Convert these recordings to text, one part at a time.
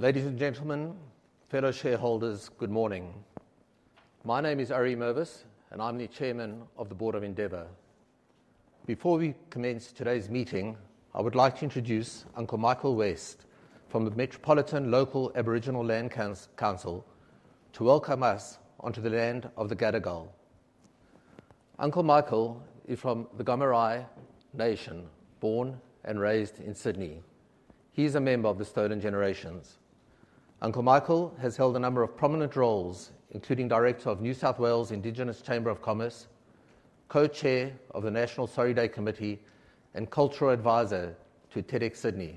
Ladies and gentlemen, fellow shareholders, good morning. My name is Ari Mervis, and I'm the Chairman of the Board of Endeavour. Before we commence today's meeting, I would like to introduce Uncle Michael West from the Metropolitan Local Aboriginal Land Council to welcome us onto the land of the Gadigal. Uncle Michael is from the Gamilaroi Nation, born and raised in Sydney. He is a member of the Stolen Generations. Uncle Michael has held a number of prominent roles, including Director of New South Wales Indigenous Chamber of Commerce, Co-Chair of the National Sorry Day Committee, and Cultural Advisor to TEDxSydney.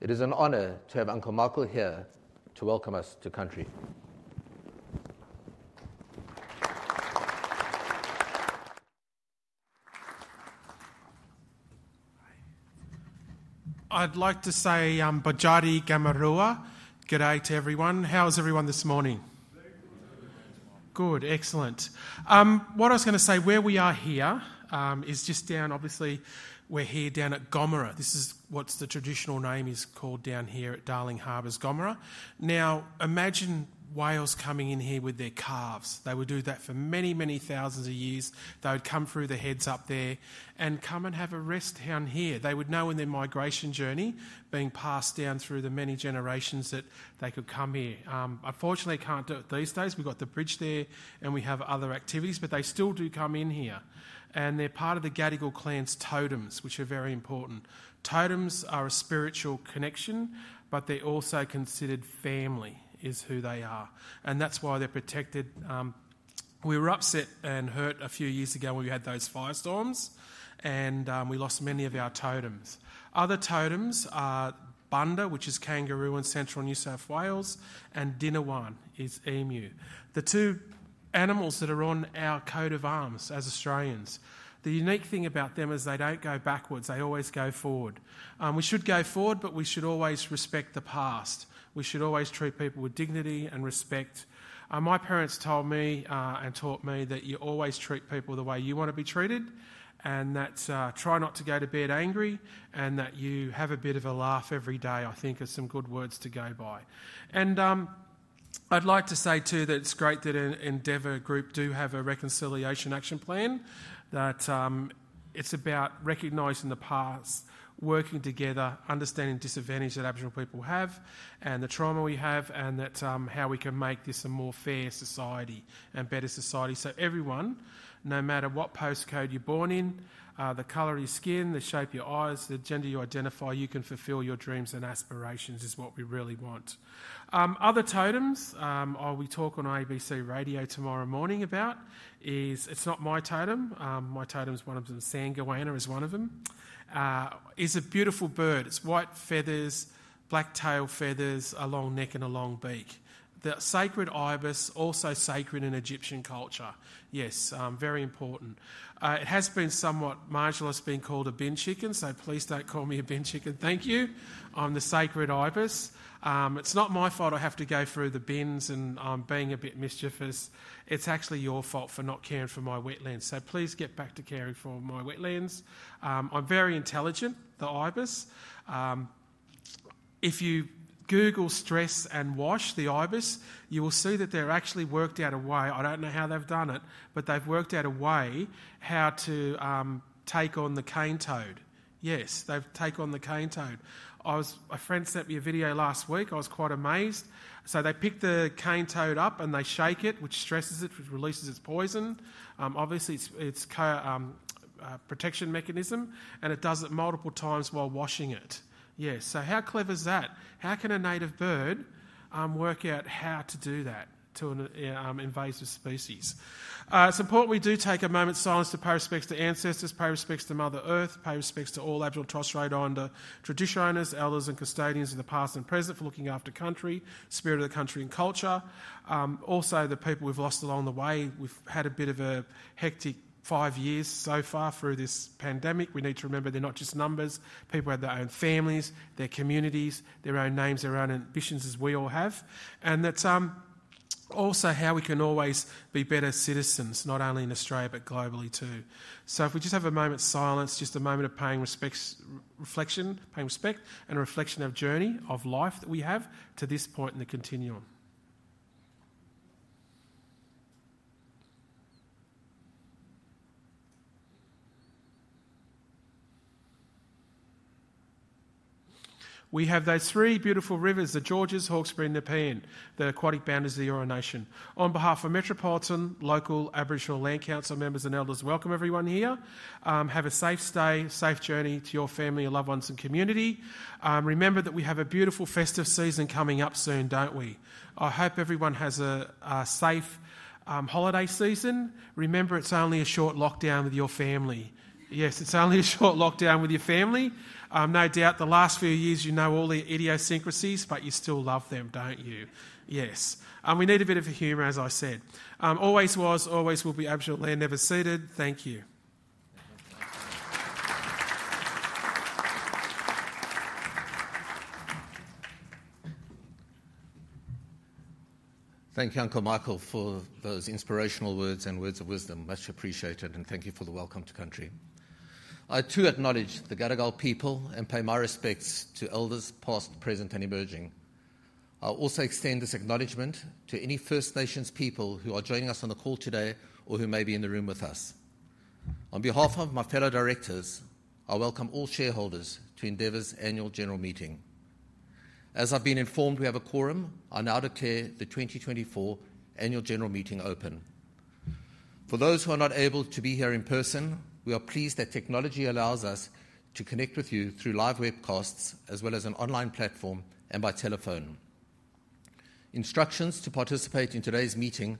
It is an honor to have Uncle Michael here to welcome us to Country. I'd like to say, Bujari Gamarruwa, G'day to everyone. How's everyone this morning? Very good. Good. Excellent. What I was going to say, where we are here is just down. Obviously, we're here down at Gomara. This is what the traditional name is called down here at Darling Harbour, Gomara. Now, imagine whales coming in here with their calves. They would do that for many, many thousands of years. They would come through the heads up there and come and have a rest down here. They would know in their migration journey, being passed down through the many generations, that they could come here. Unfortunately, they can't do it these days. We've got the bridge there, and we have other activities, but they still do come in here, and they're part of the Gadigal Clan's totems, which are very important. Totems are a spiritual connection, but they're also considered family, is who they are, and that's why they're protected. We were upset and hurt a few years ago when we had those firestorms, and we lost many of our totems. Other totems are Bunda, which is kangaroo in central New South Wales, and Dinawan is emu. The two animals that are on our coat of arms as Australians. The unique thing about them is they don't go backwards. They always go forward. We should go forward, but we should always respect the past. We should always treat people with dignity and respect. My parents told me and taught me that you always treat people the way you want to be treated, and that try not to go to bed angry, and that you have a bit of a laugh every day, I think, are some good words to go by. And I'd like to say too that it's great that Endeavour Group do have a reconciliation action plan, that it's about recognizing the past, working together, understanding disadvantages that Aboriginal people have, and the trauma we have, and that how we can make this a more fair society and better society. So everyone, no matter what postcode you're born in, the color of your skin, the shape of your eyes, the gender you identify, you can fulfill your dreams and aspirations is what we really want. Other totems we talk on ABC Radio tomorrow morning about is it's not my totem. My totem's one of them. Sacred Ibis is one of them. It's a beautiful bird. It's white feathers, black tail feathers, a long neck, and a long beak. The sacred ibis, also sacred in Egyptian culture. Yes, very important. It has been somewhat marginal. It's been called a bin chicken, so please don't call me a bin chicken. Thank you. I'm the sacred ibis. It's not my fault I have to go through the bins and being a bit mischievous. It's actually your fault for not caring for my wetlands. So please get back to caring for my wetlands. I'm very intelligent, the ibis. If you Google stress and watch the ibis, you will see that they've actually worked out a way. I don't know how they've done it, but they've worked out a way how to take on the cane toad. Yes, they've taken on the cane toad. A friend sent me a video last week. I was quite amazed. So they pick the cane toad up and they shake it, which stresses it, which releases its poison. Obviously, it's a protection mechanism, and it does it multiple times while washing it. Yes. So how clever is that? How can a native bird work out how to do that to an invasive species? It's important we do take a moment of silence to pay respects to ancestors, pay respects to Mother Earth, pay respects to all Aboriginal Torres Strait Islander traditional owners, elders, and custodians of the past and present for looking after Country, spirit of the Country and culture. Also, the people we've lost along the way. We've had a bit of a hectic five years so far through this pandemic. We need to remember they're not just numbers. People have their own families, their communities, their own names, their own ambitions as we all have. That's also how we can always be better citizens, not only in Australia but globally too. So if we just have a moment of silence, just a moment of paying respects, reflection, paying respect, and a reflection of journey of life that we have to this point in the continuum. We have those three beautiful rivers, the Georges River, Hawkesbury River, and the Nepean River, the aquatic boundaries of the Eora Nation. On behalf of Metropolitan Local Aboriginal Land Council members and elders, welcome everyone here. Have a safe stay, safe journey to your family, your loved ones, and community. Remember that we have a beautiful festive season coming up soon, don't we? I hope everyone has a safe holiday season. Remember, it's only a short lockdown with your family. Yes, it's only a short lockdown with your family. No doubt the last few years you know all the idiosyncrasies, but you still love them, don't you? Yes. And we need a bit of humour, as I said. Always was, always will be Aboriginal land never ceded. Thank you. Thank you, Uncle Michael, for those inspirational words and words of wisdom. Much appreciated, and thank you for the welcome to Country. I too acknowledge the Gadigal people and pay my respects to elders past, present, and emerging. I'll also extend this acknowledgement to any First Nations people who are joining us on the call today or who may be in the room with us. On behalf of my fellow directors, I welcome all shareholders to Endeavour's annual general meeting. As I've been informed, we have a quorum. I now declare the 2024 annual general meeting open. For those who are not able to be here in person, we are pleased that technology allows us to connect with you through live webcasts as well as an online platform and by telephone. Instructions to participate in today's meeting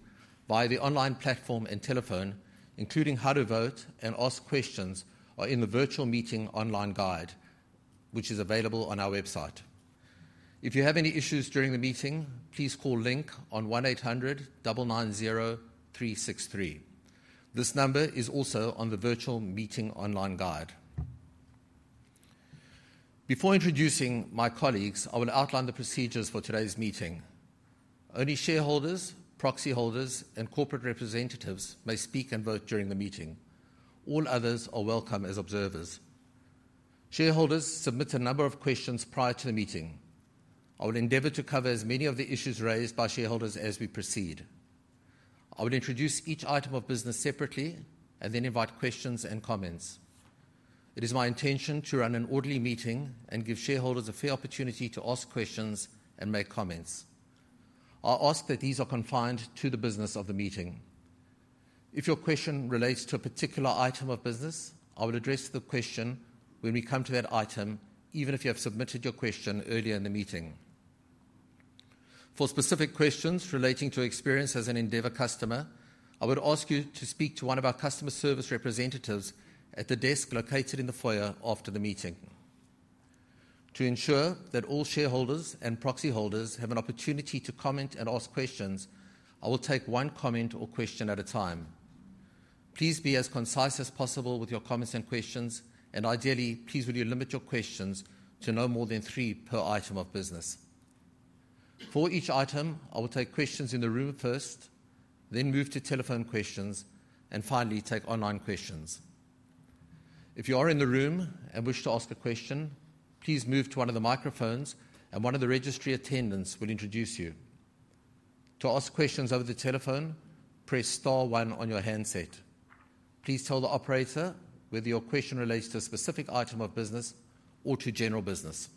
via the online platform and telephone, including how to vote and ask questions, are in the virtual meeting online guide, which is available on our website. If you have any issues during the meeting, please call LINC on 1800-990-363. This number is also on the virtual meeting online guide. Before introducing my colleagues, I will outline the procedures for today's meeting. Only shareholders, proxy holders, and corporate representatives may speak and vote during the meeting. All others are welcome as observers. Shareholders submit a number of questions prior to the meeting. I will endeavor to cover as many of the issues raised by shareholders as we proceed. I will introduce each item of business separately and then invite questions and comments. It is my intention to run an orderly meeting and give shareholders a fair opportunity to ask questions and make comments. I ask that these are confined to the business of the meeting. If your question relates to a particular item of business, I will address the question when we come to that item, even if you have submitted your question earlier in the meeting. For specific questions relating to experience as an Endeavour customer, I would ask you to speak to one of our customer service representatives at the desk located in the foyer after the meeting. To ensure that all shareholders and proxy holders have an opportunity to comment and ask questions, I will take one comment or question at a time. Please be as concise as possible with your comments and questions, and ideally, please would you limit your questions to no more than three per item of business. For each item, I will take questions in the room first, then move to telephone questions, and finally take online questions. If you are in the room and wish to ask a question, please move to one of the microphones, and one of the registry attendants will introduce you. To ask questions over the telephone, press star one on your handset. Please tell the operator whether your question relates to a specific item of business or to general business.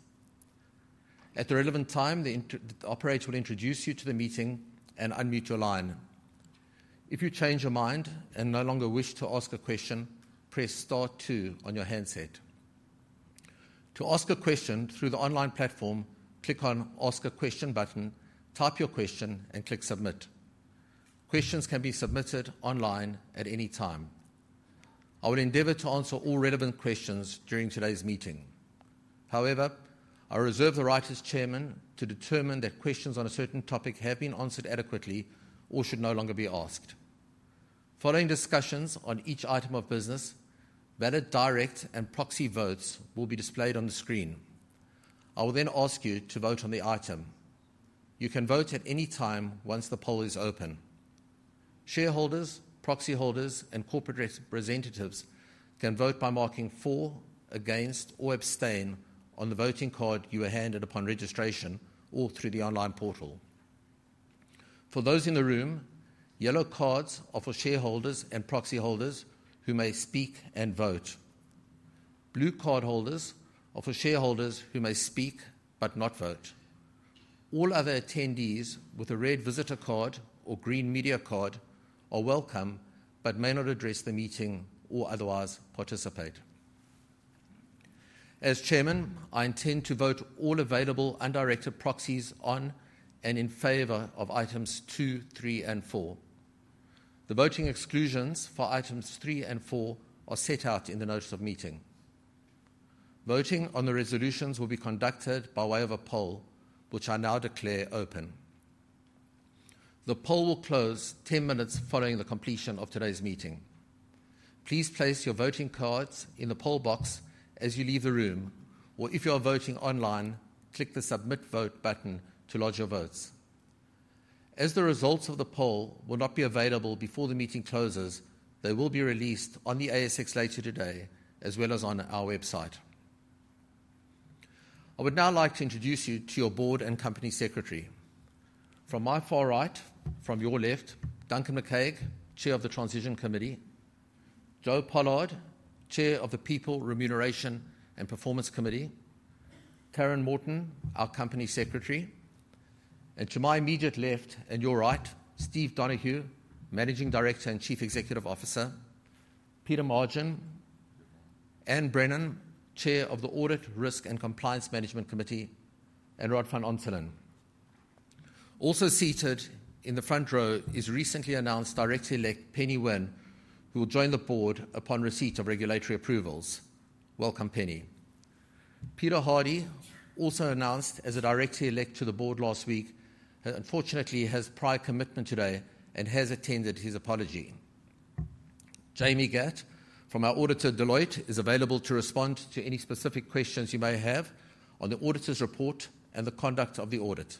At the relevant time, the operator will introduce you to the meeting and unmute your line. If you change your mind and no longer wish to ask a question, press star two on your handset. To ask a question through the online platform, click on Ask a Question button, type your question, and click Submit. Questions can be submitted online at any time. I will endeavour to answer all relevant questions during today's meeting. However, I reserve the right as Chairman to determine that questions on a certain topic have been answered adequately or should no longer be asked. Following discussions on each item of business, valid direct and proxy votes will be displayed on the screen. I will then ask you to vote on the item. You can vote at any time once the poll is open. Shareholders, proxy holders, and corporate representatives can vote by marking for, against, or abstain on the voting card you were handed upon registration or through the online portal. For those in the room, yellow cards are for shareholders and proxy holders who may speak and vote. Blue card holders are for shareholders who may speak but not vote. All other attendees with a red visitor card or green media card are welcome but may not address the meeting or otherwise participate. As Chairman, I intend to vote all available undirected proxies on and in favour of items two, three, and four. The voting exclusions for items three and four are set out in the notice of meeting. Voting on the resolutions will be conducted by way of a poll, which I now declare open. The poll will close 10 minutes following the completion of today's meeting. Please place your voting cards in the poll box as you leave the room, or if you are voting online, click the Submit Vote button to lodge your votes. As the results of the poll will not be available before the meeting closes, they will be released on the ASX later today as well as on our website. I would now like to introduce you to your board and company secretary. From my far right, from your left, Duncan McCaig, Chair of the Transition Committee. Joe Pollard, Chair of the People, Remuneration, and Performance Committee. Karen Morton, our company secretary. And to my immediate left and your right, Steve Donohue, Managing Director and Chief Executive Officer. Peter Margin. Anne Brennan, Chair of the Audit, Risk, and Compliance Management Committee. And Rod van Onselen. Also seated in the front row is recently announced Director-Elect Penny Winn, who will join the board upon receipt of regulatory approvals. Welcome, Penny. Peter Hardy, also announced as a Director-Elect to the board last week, unfortunately has prior commitment today and has attended his apology. Jamie Gatt, from our auditor, Deloitte, is available to respond to any specific questions you may have on the auditor's report and the conduct of the audit.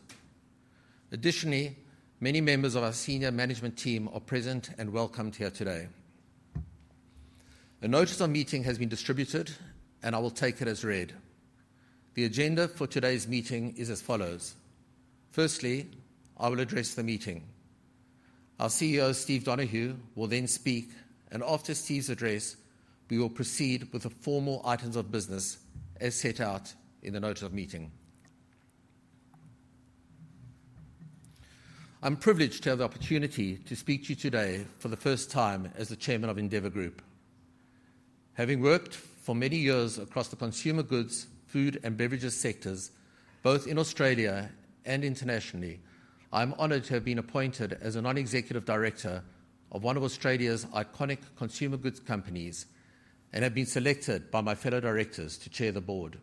Additionally, many members of our senior management team are present and welcomed here today. A notice of meeting has been distributed, and I will take it as read. The agenda for today's meeting is as follows. Firstly, I will address the meeting. Our CEO, Steve Donohue, will then speak, and after Steve's address, we will proceed with the formal items of business as set out in the notice of meeting. I'm privileged to have the opportunity to speak to you today for the first time as the Chairman of Endeavour Group. Having worked for many years across the consumer goods, food, and beverages sectors, both in Australia and internationally, I'm honored to have been appointed as a non-executive director of one of Australia's iconic consumer goods companies and have been selected by my fellow directors to chair the board.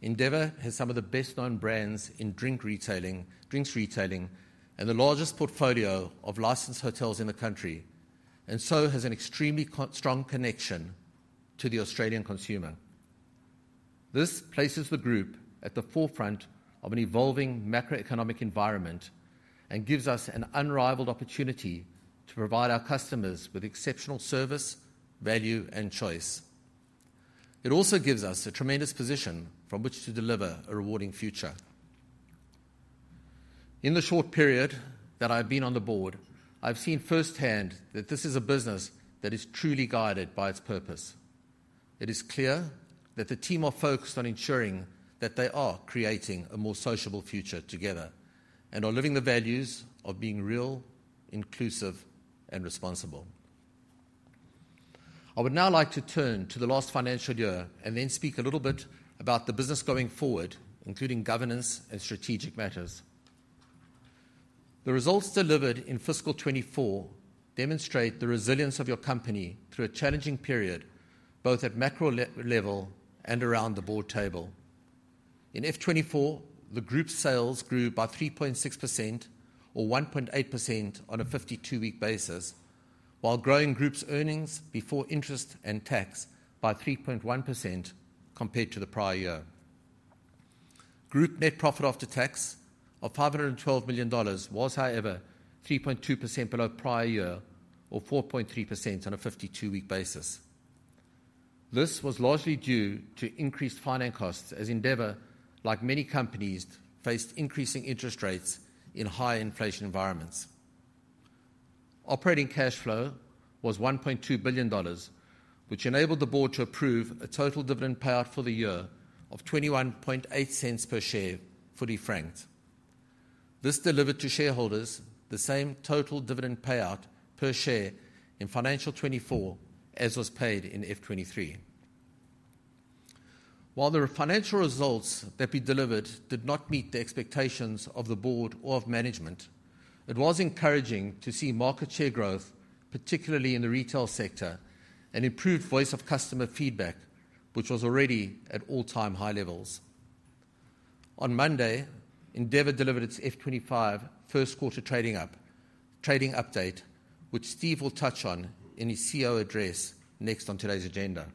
Endeavour has some of the best-known brands in drinks retailing and the largest portfolio of licensed hotels in the country, and so has an extremely strong connection to the Australian consumer. This places the group at the forefront of an evolving macroeconomic environment and gives us an unrivalled opportunity to provide our customers with exceptional service, value, and choice. It also gives us a tremendous position from which to deliver a rewarding future. In the short period that I've been on the board, I've seen firsthand that this is a business that is truly guided by its purpose. It is clear that the team are focused on ensuring that they are creating a more sociable future together and are living the values of being real, inclusive, and responsible. I would now like to turn to the last financial year and then speak a little bit about the business going forward, including governance and strategic matters. The results delivered in fiscal 2024 demonstrate the resilience of your company through a challenging period, both at macro level and around the board table. In FY 2024, the group sales grew by 3.6% or 1.8% on a 52-week basis, while growing group's earnings before interest and tax by 3.1% compared to the prior year. Group net profit after tax of 512 million dollars was, however, 3.2% below prior year or 4.3% on a 52-week basis. This was largely due to increased finance costs as Endeavour, like many companies, faced increasing interest rates in high inflation environments. Operating cash flow was 1.2 billion dollars, which enabled the board to approve a total dividend payout for the year of 0.218 per share fully franked. This delivered to shareholders the same total dividend payout per share in financial 24 as was paid in FY 2023. While the financial results that we delivered did not meet the expectations of the board or of management, it was encouraging to see market share growth, particularly in the retail sector, and improved voice of customer feedback, which was already at all-time high levels. On Monday, Endeavour delivered its FY 2025 first quarter trading update, which Steve will touch on in his CEO address next on today's agenda.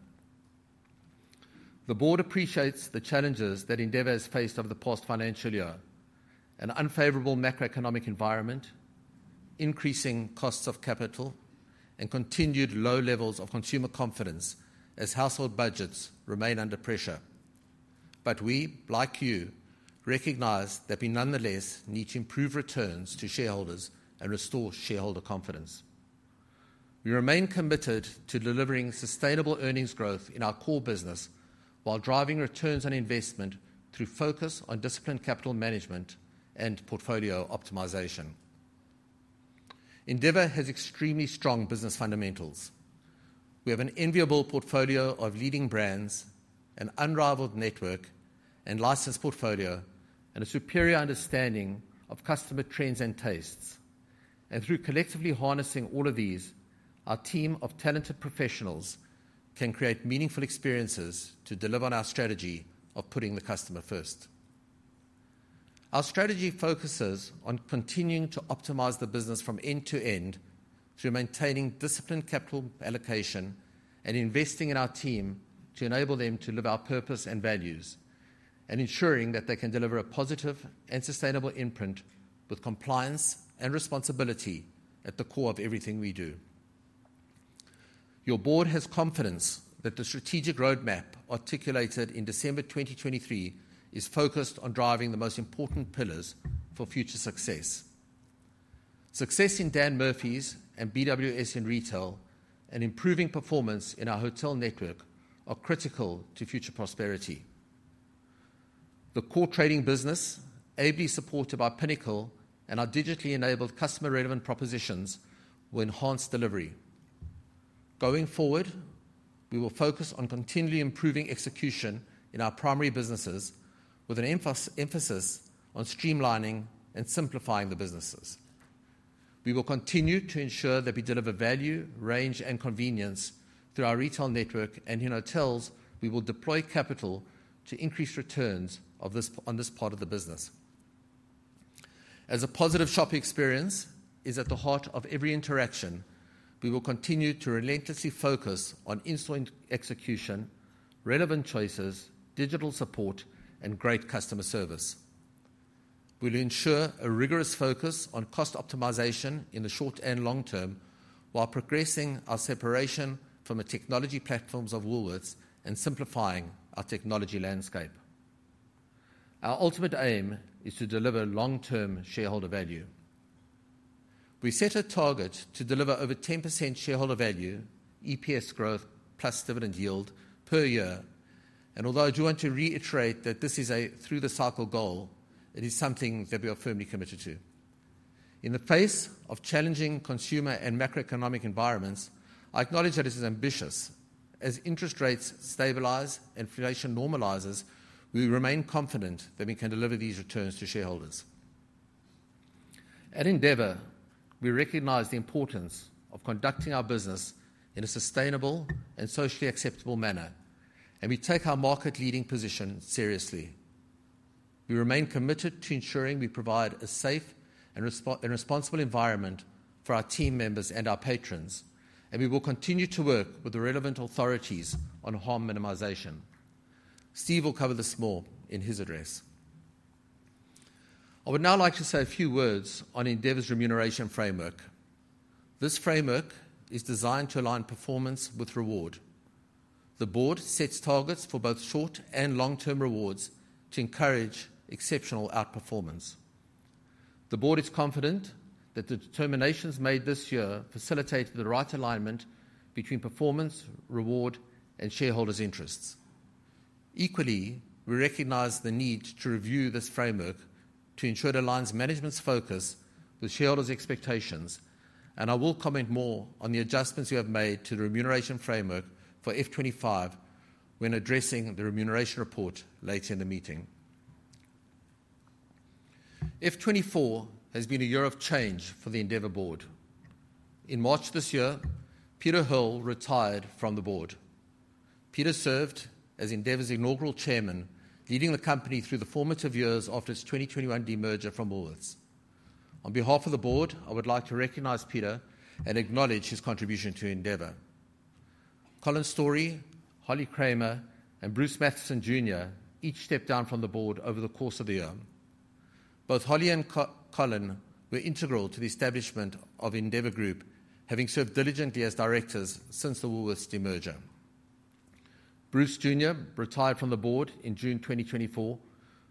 The board appreciates the challenges that Endeavour has faced over the past financial year: an unfavorable macroeconomic environment, increasing costs of capital, and continued low levels of consumer confidence as household budgets remain under pressure. But we, like you, recognize that we nonetheless need to improve returns to shareholders and restore shareholder confidence. We remain committed to delivering sustainable earnings growth in our core business while driving returns on investment through focus on disciplined capital management and portfolio optimization. Endeavour has extremely strong business fundamentals. We have an enviable portfolio of leading brands, an unrivaled network and licensed portfolio, and a superior understanding of customer trends and tastes. And through collectively harnessing all of these, our team of talented professionals can create meaningful experiences to deliver on our strategy of putting the customer first. Our strategy focuses on continuing to optimize the business from end to end through maintaining disciplined capital allocation and investing in our team to enable them to live our purpose and values, and ensuring that they can deliver a positive and sustainable imprint with compliance and responsibility at the core of everything we do. Your board has confidence that the strategic roadmap articulated in December 2023 is focused on driving the most important pillars for future success. Success in Dan Murphy's and BWS in retail, and improving performance in our hotel network, are critical to future prosperity. The core trading business, ably supported by Pinnacle and our digitally enabled customer-relevant propositions, will enhance delivery. Going forward, we will focus on continually improving execution in our primary businesses, with an emphasis on streamlining and simplifying the businesses. We will continue to ensure that we deliver value, range, and convenience through our retail network, and in hotels, we will deploy capital to increase returns on this part of the business. As a positive shopping experience is at the heart of every interaction, we will continue to relentlessly focus on instant execution, relevant choices, digital support, and great customer service. We'll ensure a rigorous focus on cost optimization in the short and long term while progressing our separation from the technology platforms of Woolworths and simplifying our technology landscape. Our ultimate aim is to deliver long-term shareholder value. We set a target to deliver over 10% shareholder value, EPS growth, plus dividend yield per year. And although I do want to reiterate that this is a through-the-cycle goal, it is something that we are firmly committed to. In the face of challenging consumer and macroeconomic environments, I acknowledge that it is ambitious. As interest rates stabilise and inflation normalises, we remain confident that we can deliver these returns to shareholders. At Endeavour, we recognise the importance of conducting our business in a sustainable and socially acceptable manner, and we take our market-leading position seriously. We remain committed to ensuring we provide a safe and responsible environment for our team members and our patrons, and we will continue to work with the relevant authorities on harm minimization. Steve will cover this more in his address. I would now like to say a few words on Endeavour's remuneration framework. This framework is designed to align performance with reward. The board sets targets for both short and long-term rewards to encourage exceptional outperformance. The board is confident that the determinations made this year facilitate the right alignment between performance, reward, and shareholders' interests. Equally, we recognize the need to review this framework to ensure it aligns management's focus with shareholders' expectations, and I will comment more on the adjustments we have made to the remuneration framework for F25 when addressing the remuneration report later in the meeting. FY2024 has been a year of change for the Endeavour board. In March this year, Peter Hearl retired from the board. Peter served as Endeavour's inaugural chairman, leading the company through the formative years after its 2021 demerger from Woolworths. On behalf of the board, I would like to recognize Peter and acknowledge his contribution to Endeavour. Colin Storrie, Holly Kramer, and Bruce Mathieson Jr. each stepped down from the board over the course of the year. Both Holly and Colin were integral to the establishment of Endeavour Group, having served diligently as directors since the Woolworths demerger. Bruce Jr. retired from the board in June 2024,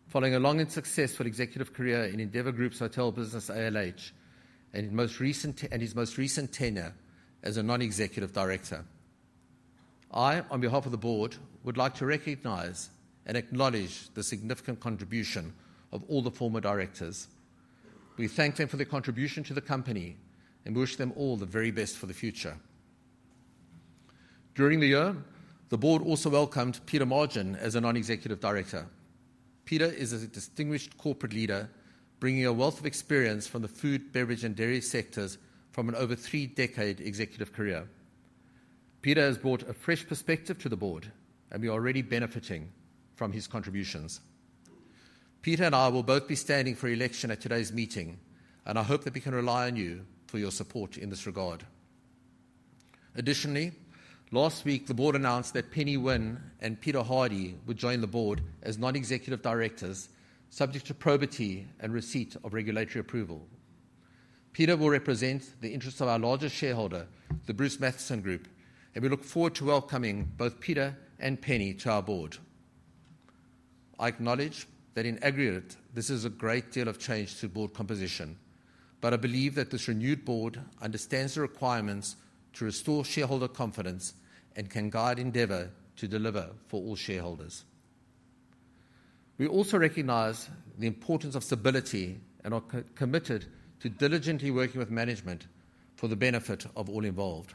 following a long and successful executive career in Endeavour Group's hotel business, ALH, and his most recent tenure as a non-executive director. I, on behalf of the board, would like to recognize and acknowledge the significant contribution of all the former directors. We thank them for their contribution to the company and wish them all the very best for the future. During the year, the board also welcomed Peter Margin as a non-executive director. Peter is a distinguished corporate leader, bringing a wealth of experience from the food, beverage, and dairy sectors from an over three-decade executive career. Peter has brought a fresh perspective to the board, and we are already benefiting from his contributions. Peter and I will both be standing for election at today's meeting, and I hope that we can rely on you for your support in this regard. Additionally, last week, the board announced that Penny Winn and Peter Hardy would join the board as non-executive directors, subject to probity and receipt of regulatory approval. Peter will represent the interests of our largest shareholder, the Bruce Mathieson Group, and we look forward to welcoming both Peter and Penny to our board. I acknowledge that in aggregate, this is a great deal of change to board composition, but I believe that this renewed board understands the requirements to restore shareholder confidence and can guide Endeavour to deliver for all shareholders. We also recognize the importance of stability and are committed to diligently working with management for the benefit of all involved.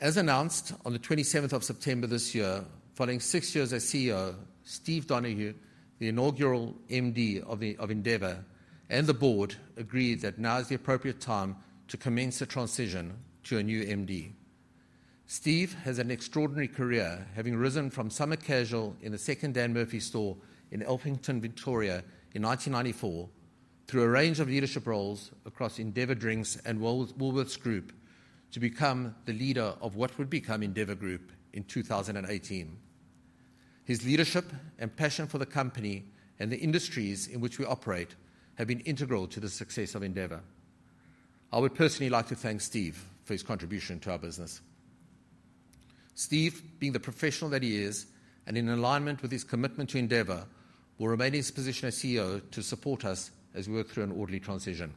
As announced on the 27th of September this year, following six years as CEO, Steve Donohue, the inaugural MD of Endeavour and the board, agreed that now is the appropriate time to commence the transition to a new MD. Steve has an extraordinary career, having risen from summer casual in the second Dan Murphy's store in Alphington, Victoria, in 1994, through a range of leadership roles across Endeavour Drinks and Woolworths Group to become the leader of what would become Endeavour Group in 2018. His leadership and passion for the company and the industries in which we operate have been integral to the success of Endeavour. I would personally like to thank Steve for his contribution to our business. Steve, being the professional that he is and in alignment with his commitment to Endeavour, will remain in his position as CEO to support us as we work through an orderly transition.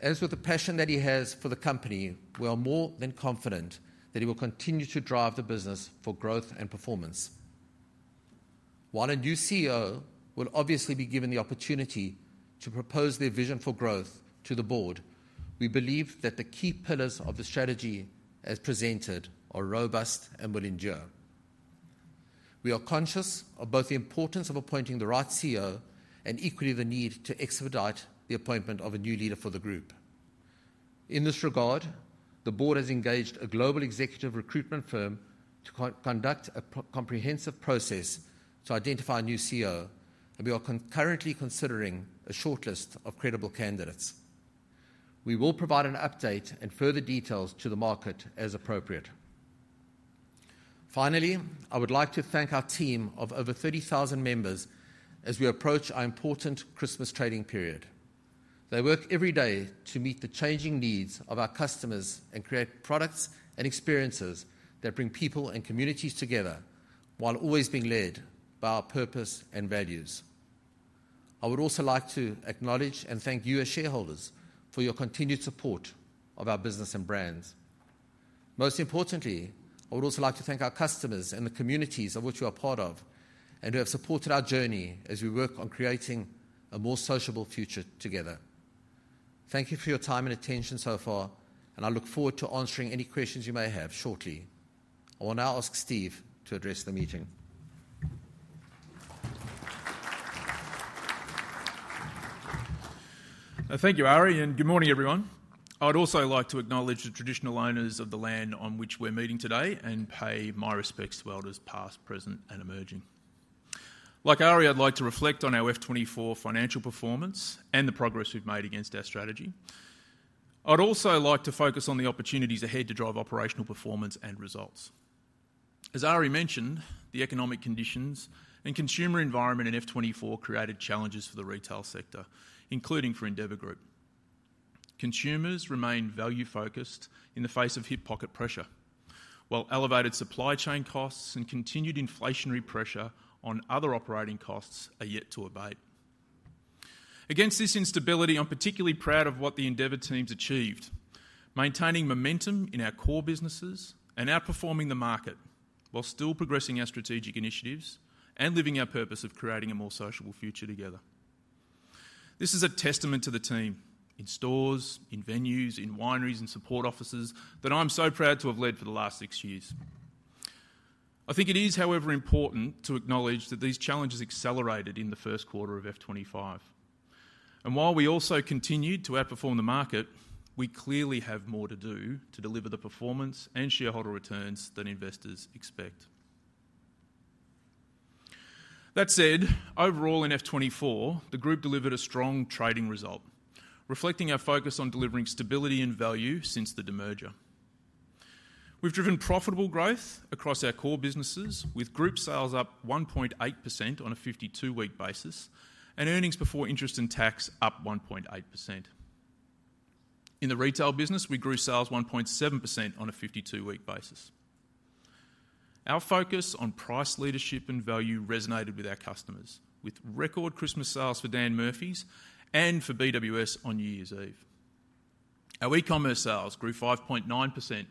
As with the passion that he has for the company, we are more than confident that he will continue to drive the business for growth and performance. While a new CEO will obviously be given the opportunity to propose their vision for growth to the board, we believe that the key pillars of the strategy as presented are robust and will endure. We are conscious of both the importance of appointing the right CEO and equally the need to expedite the appointment of a new leader for the group. In this regard, the board has engaged a global executive recruitment firm to conduct a comprehensive process to identify a new CEO, and we are currently considering a shortlist of credible candidates. We will provide an update and further details to the market as appropriate. Finally, I would like to thank our team of over 30,000 members as we approach our important Christmas trading period. They work every day to meet the changing needs of our customers and create products and experiences that bring people and communities together while always being led by our purpose and values. I would also like to acknowledge and thank you, as shareholders, for your continued support of our business and brands. Most importantly, I would also like to thank our customers and the communities of which you are part of and who have supported our journey as we work on creating a more sociable future together. Thank you for your time and attention so far, and I look forward to answering any questions you may have shortly. I will now ask Steve to address the meeting. Thank you, Ari, and good morning, everyone. I'd also like to acknowledge the traditional owners of the land on which we're meeting today and pay my respects to elders past, present, and emerging. Like Ari, I'd like to reflect on our F24 financial performance and the progress we've made against our strategy. I'd also like to focus on the opportunities ahead to drive operational performance and results. As Ari mentioned, the economic conditions and consumer environment in F24 created challenges for the retail sector, including for Endeavour Group. Consumers remain value-focused in the face of hip pocket pressure, while elevated supply chain costs and continued inflationary pressure on other operating costs are yet to abate. Against this instability, I'm particularly proud of what the Endeavour team's achieved: maintaining momentum in our core businesses and outperforming the market while still progressing our strategic initiatives and living our purpose of creating a more sociable future together. This is a testament to the team in stores, in venues, in wineries, in support offices that I'm so proud to have led for the last six years. I think it is, however, important to acknowledge that these challenges accelerated in the first quarter of F25. And while we also continued to outperform the market, we clearly have more to do to deliver the performance and shareholder returns that investors expect. That said, overall in F24, the group delivered a strong trading result, reflecting our focus on delivering stability and value since the demerger. We've driven profitable growth across our core businesses, with group sales up 1.8% on a 52-week basis and earnings before interest and tax up 1.8%. In the retail business, we grew sales 1.7% on a 52-week basis. Our focus on price leadership and value resonated with our customers, with record Christmas sales for Dan Murphy's and for BWS on New Year's Eve. Our E-commerce sales grew 5.9%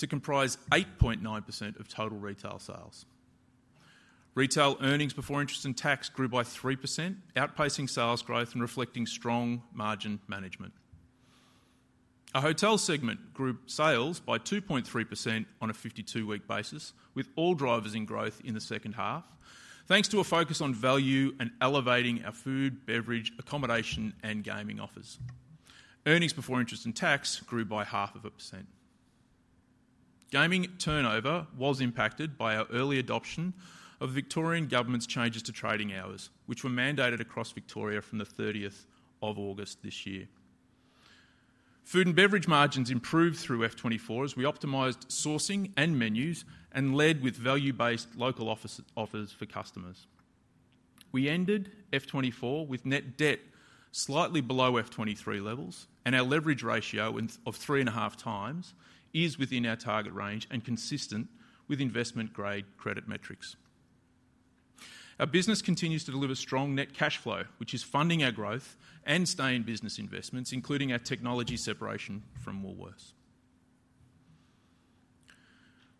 to comprise 8.9% of total retail sales. Retail earnings before interest and tax grew by 3%, outpacing sales growth and reflecting strong margin management. Our hotel segment grew sales by 2.3% on a 52-week basis, with all drivers in growth in the second half, thanks to a focus on value and elevating our food, beverage, accommodation, and gaming offers. Earnings before interest and tax grew by 0.5%. Gaming turnover was impacted by our early adoption of the Victorian government's changes to trading hours, which were mandated across Victoria from the 30th of August this year. Food and beverage margins improved through F24 as we optimized sourcing and menus and led with value-based local offers for customers. We ended F24 with net debt slightly below F23 levels, and our leverage ratio of 3.5 times is within our target range and consistent with investment-grade credit metrics. Our business continues to deliver strong net cash flow, which is funding our growth and strategic business investments, including our technology separation from Woolworths.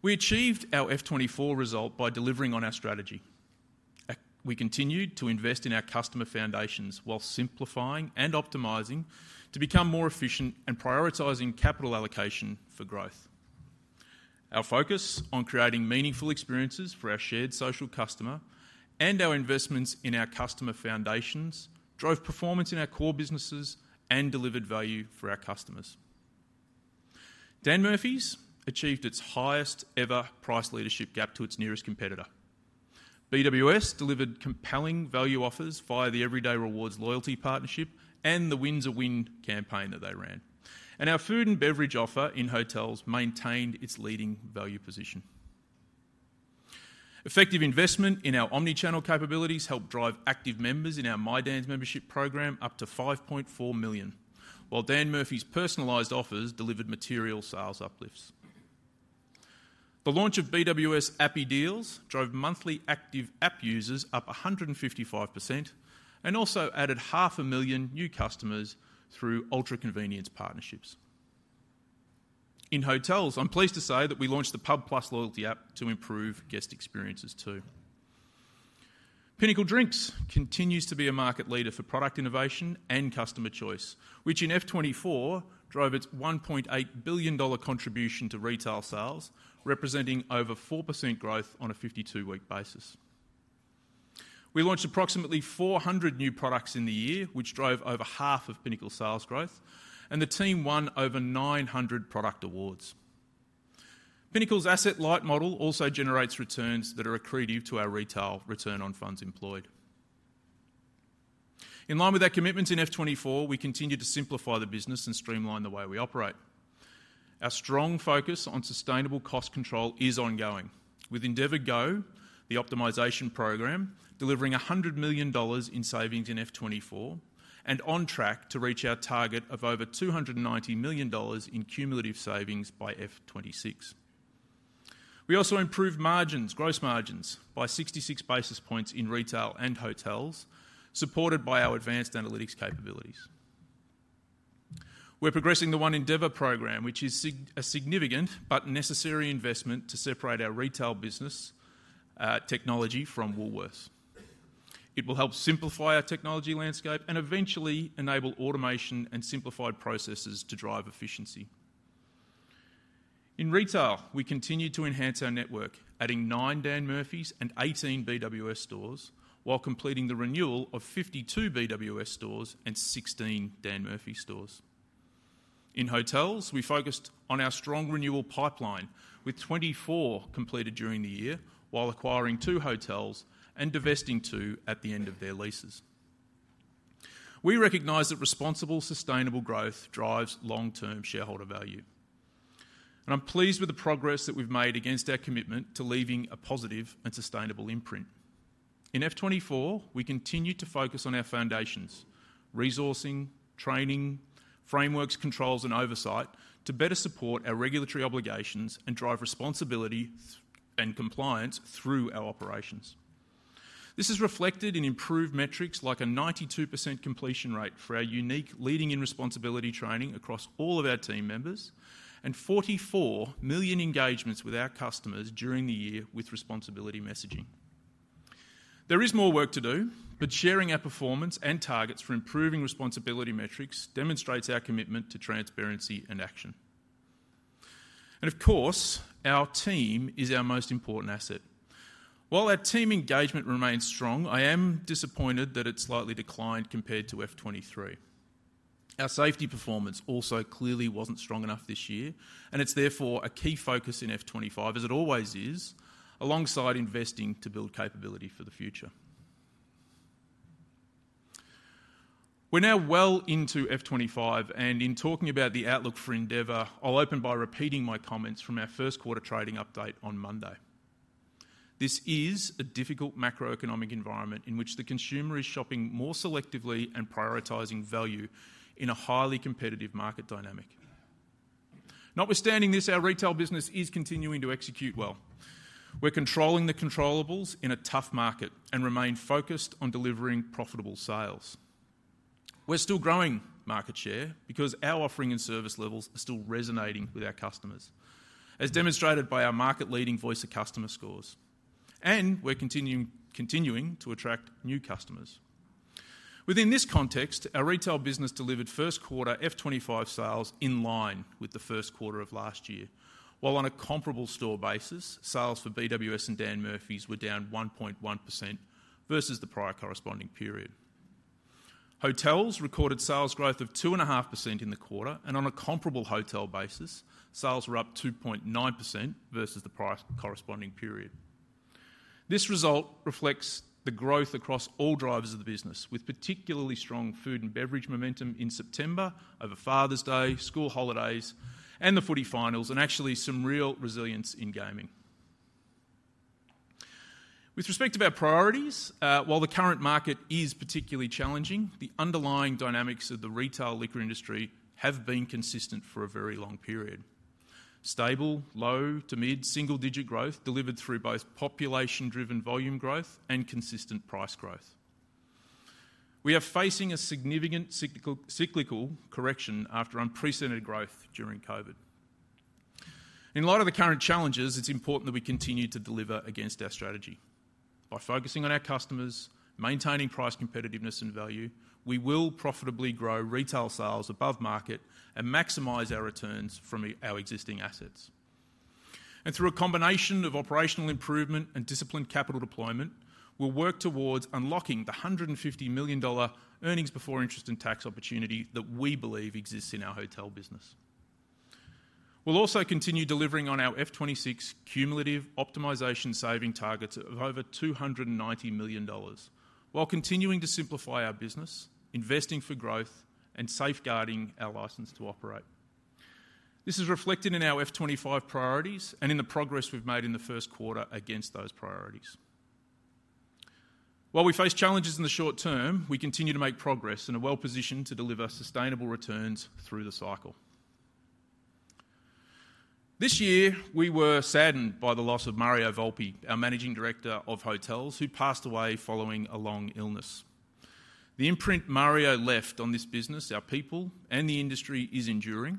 We achieved our F24 result by delivering on our strategy. We continued to invest in our customer foundations while simplifying and optimizing to become more efficient and prioritizing capital allocation for growth. Our focus on creating meaningful experiences for our shared social customer and our investments in our customer foundations drove performance in our core businesses and delivered value for our customers. Dan Murphy's achieved its highest ever price leadership gap to its nearest competitor. BWS delivered compelling value offers via the Everyday Rewards loyalty partnership and the Win's A Win campaign that they ran, and our food and beverage offer in hotels maintained its leading value position. Effective investment in our omnichannel capabilities helped drive active members in our My Dan's membership program up to 5.4 million, while Dan Murphy's personalized offers delivered material sales uplifts. The launch of BWS Appy Deals drove monthly active app users up 155% and also added 500,000 new customers through ultra-convenience partnerships. In hotels, I'm pleased to say that we launched the Pub+ loyalty app to improve guest experiences too. Pinnacle Drinks continues to be a market leader for product innovation and customer choice, which in F24 drove its 1.8 billion dollar contribution to retail sales, representing over 4% growth on a 52-week basis. We launched approximately 400 new products in the year, which drove over half of Pinnacle's sales growth, and the team won over 900 product awards. Pinnacle's asset light model also generates returns that are accretive to our retail return on funds employed. In line with our commitments in F24, we continue to simplify the business and streamline the way we operate. Our strong focus on sustainable cost control is ongoing, with Endeavour Go, the optimization program delivering 100 million dollars in savings in F24 and on track to reach our target of over 290 million dollars in cumulative savings by F26. We also improved margins, gross margins, by 66 basis points in retail and hotels, supported by our advanced analytics capabilities. We're progressing the One Endeavour program, which is a significant but necessary investment to separate our retail business technology from Woolworths. It will help simplify our technology landscape and eventually enable automation and simplified processes to drive efficiency. In retail, we continue to enhance our network, adding nine Dan Murphy's and 18 BWS stores while completing the renewal of 52 BWS stores and 16 Dan Murphy's stores. In hotels, we focused on our strong renewal pipeline, with 24 completed during the year while acquiring two hotels and divesting two at the end of their leases. We recognize that responsible, sustainable growth drives long-term shareholder value, and I'm pleased with the progress that we've made against our commitment to leaving a positive and sustainable imprint. In F24, we continue to focus on our foundations, resourcing, training, frameworks, controls, and oversight to better support our regulatory obligations and drive responsibility and compliance through our operations. This is reflected in improved metrics like a 92% completion rate for our unique Leading in Responsibility training across all of our team members and 44 million engagements with our customers during the year with responsibility messaging. There is more work to do, but sharing our performance and targets for improving responsibility metrics demonstrates our commitment to transparency and action. And of course, our team is our most important asset. While our team engagement remains strong, I am disappointed that it's slightly declined compared to F23. Our safety performance also clearly wasn't strong enough this year, and it's therefore a key focus in F25, as it always is, alongside investing to build capability for the future. We're now well into F25, and in talking about the outlook for Endeavour, I'll open by repeating my comments from our first quarter trading update on Monday. This is a difficult macroeconomic environment in which the consumer is shopping more selectively and prioritizing value in a highly competitive market dynamic. Notwithstanding this, our retail business is continuing to execute well. We're controlling the controllables in a tough market and remain focused on delivering profitable sales. We're still growing market share because our offering and service levels are still resonating with our customers, as demonstrated by our market-leading voice of customer scores, and we're continuing to attract new customers. Within this context, our retail business delivered first quarter FY 2025 sales in line with the first quarter of last year, while on a comparable store basis, sales for BWS and Dan Murphy's were down 1.1% versus the prior corresponding period. Hotels recorded sales growth of 2.5% in the quarter, and on a comparable hotel basis, sales were up 2.9% versus the prior corresponding period. This result reflects the growth across all drivers of the business, with particularly strong food and beverage momentum in September over Father's Day, school holidays, and the footy finals, and actually some real resilience in gaming. With respect to our priorities, while the current market is particularly challenging, the underlying dynamics of the retail liquor industry have been consistent for a very long period: stable, low to mid single-digit growth delivered through both population-driven volume growth and consistent price growth. We are facing a significant cyclical correction after unprecedented growth during COVID. In light of the current challenges, it's important that we continue to deliver against our strategy. By focusing on our customers, maintaining price competitiveness and value, we will profitably grow retail sales above market and maximize our returns from our existing assets. And through a combination of operational improvement and disciplined capital deployment, we'll work towards unlocking the 150 million dollar earnings before interest and tax opportunity that we believe exists in our hotel business. We'll also continue delivering on our F26 cumulative optimization saving targets of over $290 million, while continuing to simplify our business, investing for growth, and safeguarding our license to operate. This is reflected in our F25 priorities and in the progress we've made in the first quarter against those priorities. While we face challenges in the short term, we continue to make progress and are well positioned to deliver sustainable returns through the cycle. This year, we were saddened by the loss of Mario Volpi, our Managing Director of Hotels, who passed away following a long illness. The imprint Mario left on this business, our people, and the industry is enduring.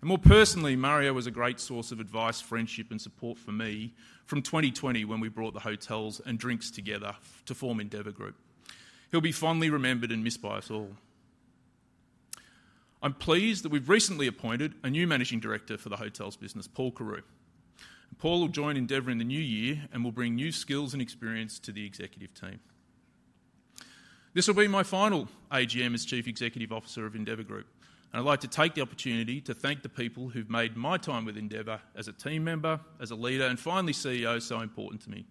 And more personally, Mario was a great source of advice, friendship, and support for me from 2020 when we brought the hotels and drinks together to form Endeavour Group. He'll be fondly remembered and missed by us all. I'm pleased that we've recently appointed a new managing director for the hotels business, Paul Carew. Paul will join Endeavour in the new year and will bring new skills and experience to the executive team. This will be my final AGM as Chief Executive Officer of Endeavour Group, and I'd like to take the opportunity to thank the people who've made my time with Endeavour as a team member, as a leader, and finally CEO so important to me.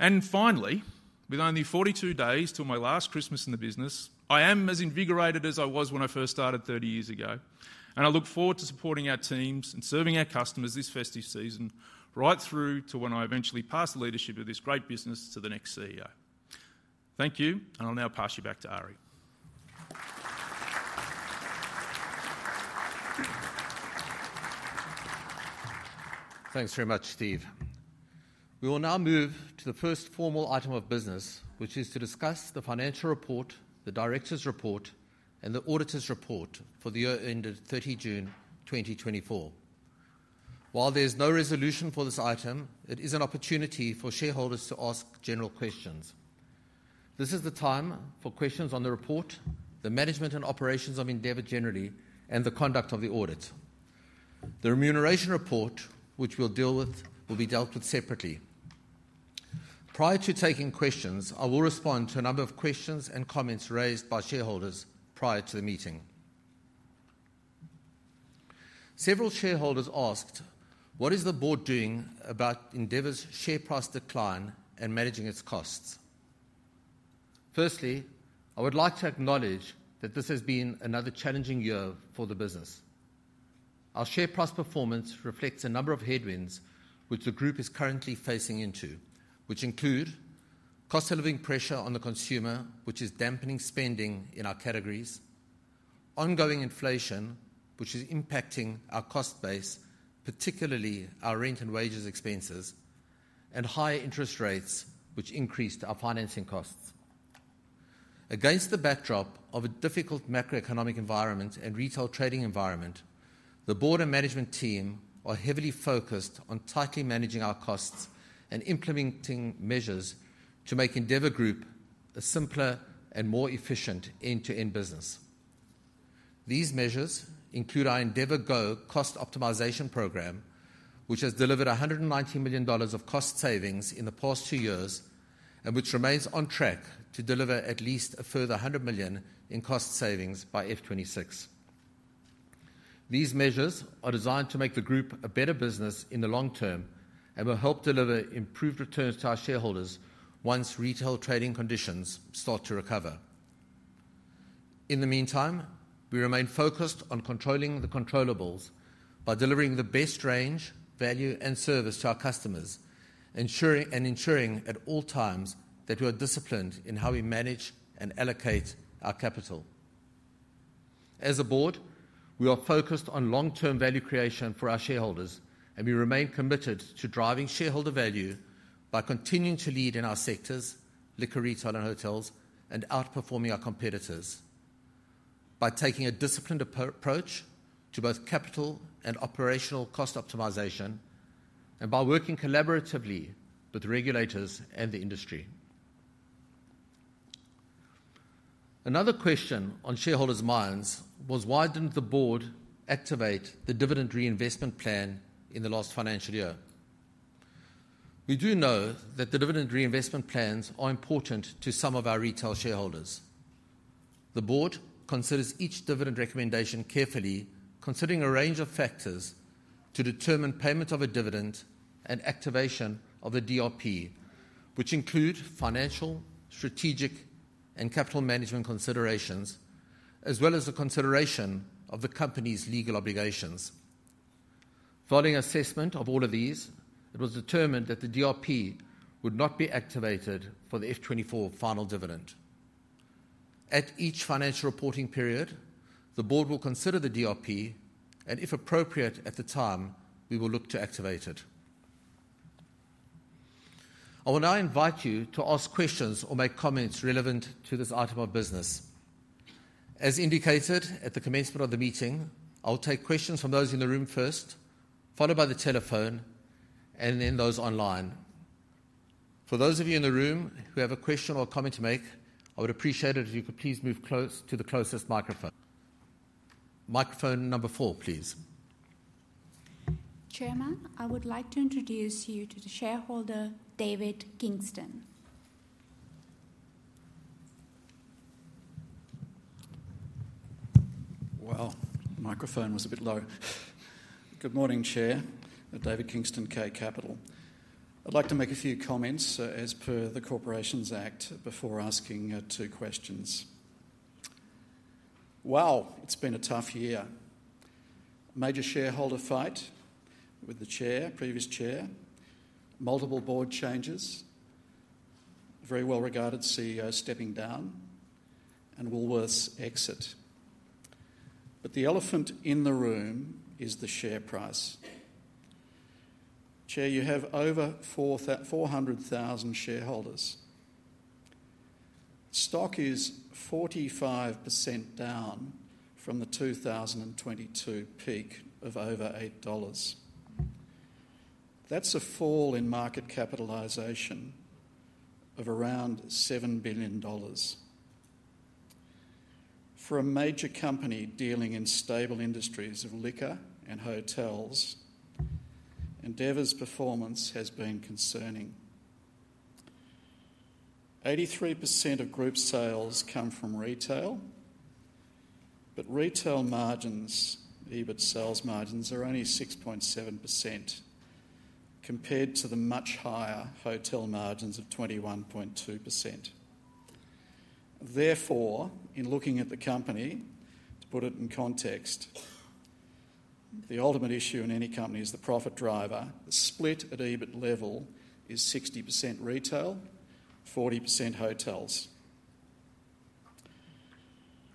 And finally, with only 42 days till my last Christmas in the business, I am as invigorated as I was when I first started 30 years ago, and I look forward to supporting our teams and serving our customers this festive season right through to when I eventually pass the leadership of this great business to the next CEO. Thank you, and I'll now pass you back to Ari. Thanks very much, Steve. We will now move to the first formal item of business, which is to discuss the financial report, the director's report, and the auditor's report for the year ended 30 June 2024. While there's no resolution for this item, it is an opportunity for shareholders to ask general questions. This is the time for questions on the report, the management and operations of Endeavour generally, and the conduct of the audit. The remuneration report, which we'll deal with, will be dealt with separately. Prior to taking questions, I will respond to a number of questions and comments raised by shareholders prior to the meeting. Several shareholders asked, what is the board doing about Endeavour's share price decline and managing its costs? Firstly, I would like to acknowledge that this has been another challenging year for the business. Our share price performance reflects a number of headwinds which the group is currently facing into, which include cost of living pressure on the consumer, which is dampening spending in our categories, ongoing inflation, which is impacting our cost base, particularly our rent and wages expenses, and high interest rates, which increased our financing costs. Against the backdrop of a difficult macroeconomic environment and retail trading environment, the board and management team are heavily focused on tightly managing our costs and implementing measures to make Endeavour Group a simpler and more efficient end-to-end business. These measures include our Endeavour Go cost optimization program, which has delivered 190 million dollars of cost savings in the past two years and which remains on track to deliver at least a further 100 million in cost savings by FY 2026. These measures are designed to make the group a better business in the long term and will help deliver improved returns to our shareholders once retail trading conditions start to recover. In the meantime, we remain focused on controlling the controllable by delivering the best range, value, and service to our customers, and ensuring at all times that we are disciplined in how we manage and allocate our capital. As a board, we are focused on long-term value creation for our shareholders, and we remain committed to driving shareholder value by continuing to lead in our sectors, liquor retail and hotels, and outperforming our competitors by taking a disciplined approach to both capital and operational cost optimization, and by working collaboratively with regulators and the industry. Another question on shareholders' minds was, why didn't the board activate the dividend reinvestment plan in the last financial year? We do know that the dividend reinvestment plans are important to some of our retail shareholders. The board considers each dividend recommendation carefully, considering a range of factors to determine payment of a dividend and activation of the DRP, which include financial, strategic, and capital management considerations, as well as the consideration of the company's legal obligations. Following assessment of all of these, it was determined that the DRP would not be activated for the F24 final dividend. At each financial reporting period, the board will consider the DRP, and if appropriate at the time, we will look to activate it. I will now invite you to ask questions or make comments relevant to this item of business. As indicated at the commencement of the meeting, I'll take questions from those in the room first, followed by the telephone, and then those online. For those of you in the room who have a question or comment to make, I would appreciate it if you could please move close to the closest microphone. Microphone number four, please. Chairman, I would like to introduce you to the shareholder, David Kingston. The microphone was a bit low. Good morning, Chair. David Kingston, K Capital. I'd like to make a few comments as per the Corporations Act before asking two questions. It's been a tough year. Major shareholder fight with the chair, previous chair, multiple board changes, very well-regarded CEO stepping down, and Woolworths exit. But the elephant in the room is the share price. Chair, you have over 400,000 shareholders. Stock is 45% down from the 2022 peak of over $8. That's a fall in market capitalization of around $7 billion. For a major company dealing in stable industries of liquor and hotels, Endeavour's performance has been concerning. 83% of group sales come from retail, but retail margins, EBIT sales margins, are only 6.7% compared to the much higher hotel margins of 21.2%. Therefore, in looking at the company, to put it in context, the ultimate issue in any company is the profit driver. The split at EBIT level is 60% retail, 40% hotels.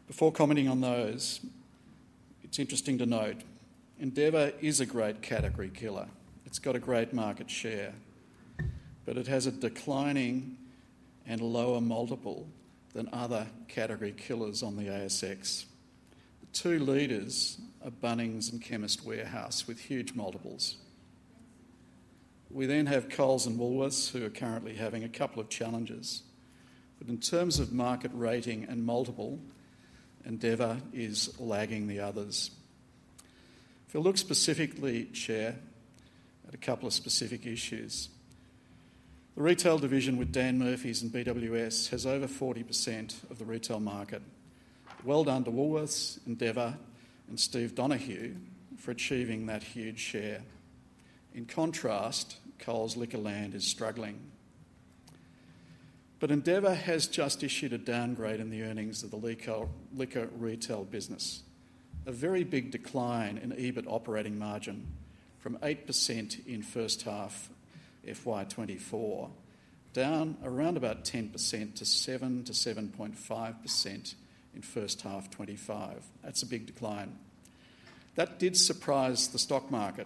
Before commenting on those, it's interesting to note Endeavour is a great category killer. It's got a great market share, but it has a declining and lower multiple than other category killers on the ASX. The two leaders are Bunnings and Chemist Warehouse with huge multiples. We then have Coles and Woolworths, who are currently having a couple of challenges. But in terms of market rating and multiple, Endeavour is lagging the others. If you look specifically, Chair, at a couple of specific issues, the retail division with Dan Murphy's and BWS has over 40% of the retail market. Well done to Woolworths, Endeavour, and Steve Donohue for achieving that huge share. In contrast, Coles Liquorland is struggling. But Endeavour has just issued a downgrade in the earnings of the liquor retail business, a very big decline in EBIT operating margin from 8% in first half FY 2024, down around about 10% to 7%-7.5% in first half 2025. That's a big decline. That did surprise the stock market.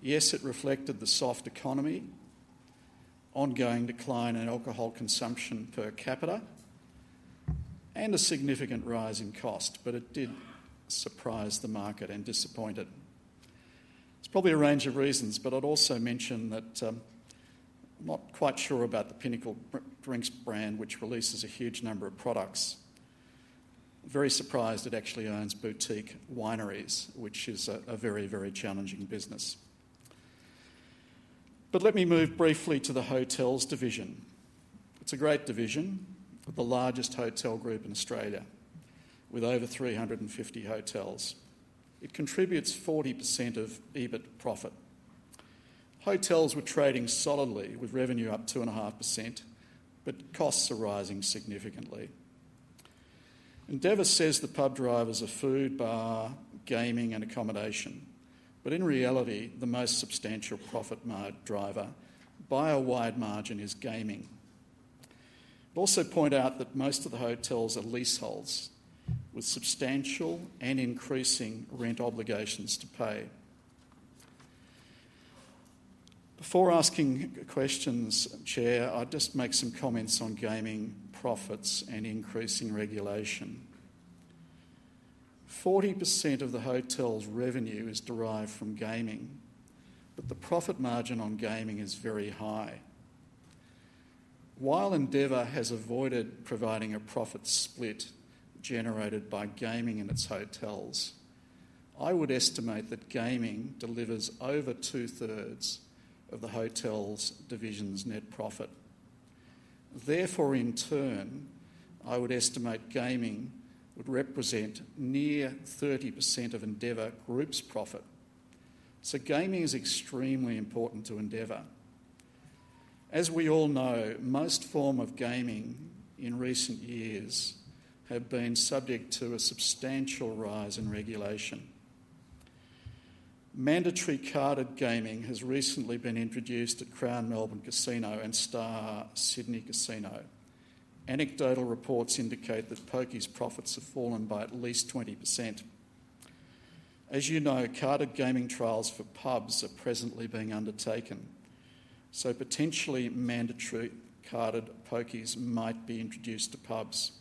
Yes, it reflected the soft economy, ongoing decline in alcohol consumption per capita, and a significant rise in cost, but it did surprise the market and disappoint it. There's probably a range of reasons, but I'd also mention that I'm not quite sure about the Pinnacle Drinks brand, which releases a huge number of products. Very surprised it actually owns boutique wineries, which is a very, very challenging business. But let me move briefly to the hotels division. It's a great division, the largest hotel group in Australia, with over 350 hotels. It contributes 40% of EBIT profit. Hotels were trading solidly with revenue up 2.5%, but costs are rising significantly. Endeavour says the pub drivers are food, bar, gaming, and accommodation, but in reality, the most substantial profit driver by a wide margin is gaming. I'd also point out that most of the hotels are leaseholds with substantial and increasing rent obligations to pay. Before asking questions, Chair, I'd just make some comments on gaming profits and increasing regulation. 40% of the hotel's revenue is derived from gaming, but the profit margin on gaming is very high. While Endeavour has avoided providing a profit split generated by gaming in its hotels, I would estimate that gaming delivers over two-thirds of the hotel's division's net profit. Therefore, in turn, I would estimate gaming would represent near 30% of Endeavour Group's profit. So gaming is extremely important to Endeavour. As we all know, most forms of gaming in recent years have been subject to a substantial rise in regulation. Mandatory carded gaming has recently been introduced at Crown Melbourne Casino and Star Sydney Casino. Anecdotal reports indicate that pokies' profits have fallen by at least 20%. As you know, carded gaming trials for pubs are presently being undertaken, so potentially mandatory carded pokies might be introduced to pubs.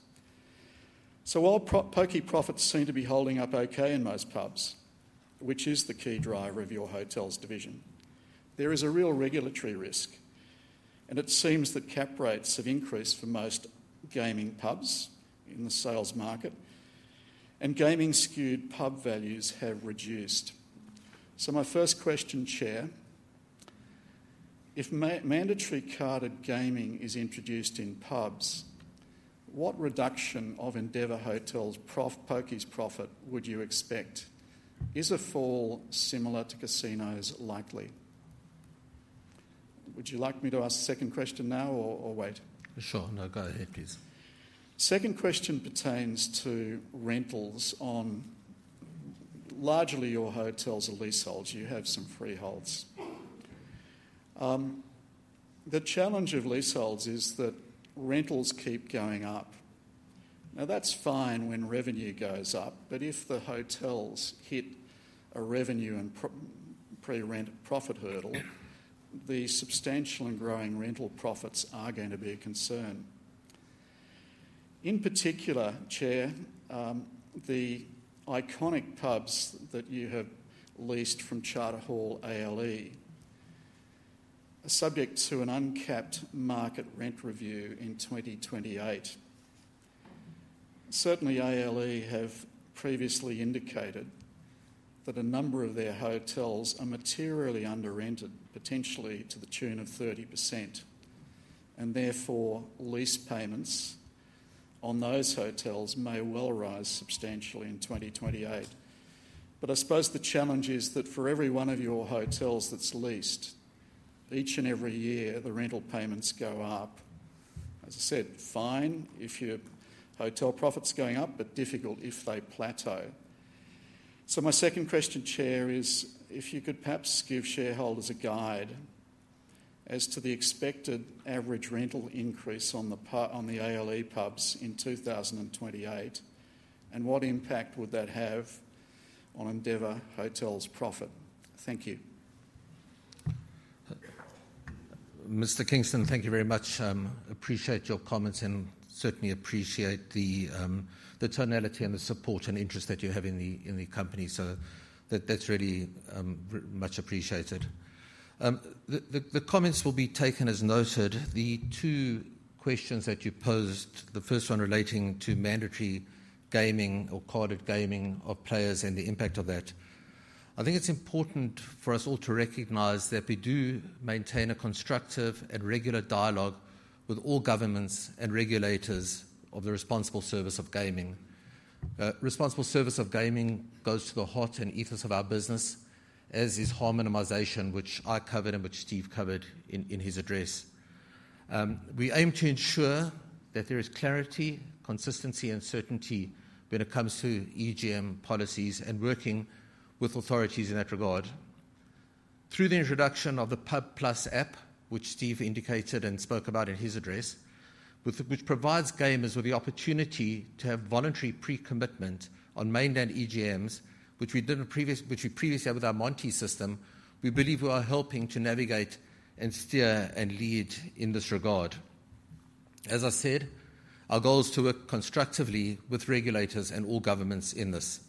So while pokie profits seem to be holding up okay in most pubs, which is the key driver of your hotel's division, there is a real regulatory risk, and it seems that cap rates have increased for most gaming pubs in the sales market, and gaming skewed pub values have reduced. So my first question, Chair, if mandatory carded gaming is introduced in pubs, what reduction of Endeavour Hotel's pokies' profit would you expect? Is a fall similar to casinos likely? Would you like me to ask the second question now or wait? Sure. No, go ahead, please. Second question pertains to rentals on largely your hotels or leaseholds. You have some freeholds. The challenge of leaseholds is that rentals keep going up. Now, that's fine when revenue goes up, but if the hotels hit a revenue and pre-rent profit hurdle, the substantial and growing rental profits are going to be a concern. In particular, Chair, the iconic pubs that you have leased from Charter Hall ALE are subject to an uncapped market rent review in 2028. Certainly, ALE have previously indicated that a number of their hotels are materially underrented, potentially to the tune of 30%, and therefore lease payments on those hotels may well rise substantially in 2028. But I suppose the challenge is that for every one of your hotels that's leased, each and every year, the rental payments go up. As I said, fine if your hotel profits are going up, but difficult if they plateau. So my second question, Chair, is if you could perhaps give shareholders a guide as to the expected average rental increase on the ALE pubs in 2028, and what impact would that have on Endeavour Hotels' profit? Thank you. Mr. Kingston, thank you very much. Appreciate your comments and certainly appreciate the tonality and the support and interest that you have in the company. So that's really much appreciated. The comments will be taken as noted. The two questions that you posed, the first one relating to mandatory gaming or carded gaming of players and the impact of that, I think it's important for us all to recognize that we do maintain a constructive and regular dialogue with all governments and regulators of the responsible service of gaming. Responsible service of gaming goes to the heart and ethos of our business, as is harm minimization, which I covered and which Steve covered in his address. We aim to ensure that there is clarity, consistency, and certainty when it comes to EGM policies and working with authorities in that regard. Through the introduction of the PubPlus app, which Steve indicated and spoke about in his address, which provides gamers with the opportunity to have voluntary pre-commitment on mainland EGMs, which we previously had with our Monty system, we believe we are helping to navigate and steer and lead in this regard. As I said, our goal is to work constructively with regulators and all governments in this.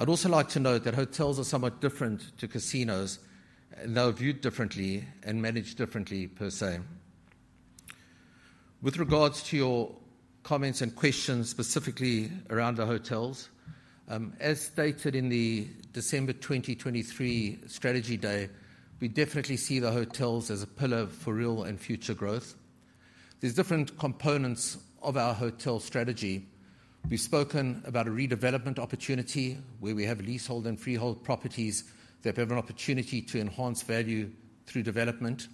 I'd also like to note that hotels are somewhat different to casinos, and they are viewed differently and managed differently per se. With regards to your comments and questions specifically around the hotels, as stated in the December 2023 strategy day, we definitely see the hotels as a pillar for real and future growth. There's different components of our hotel strategy. We've spoken about a redevelopment opportunity where we have leasehold and freehold properties that have an opportunity to enhance value through development.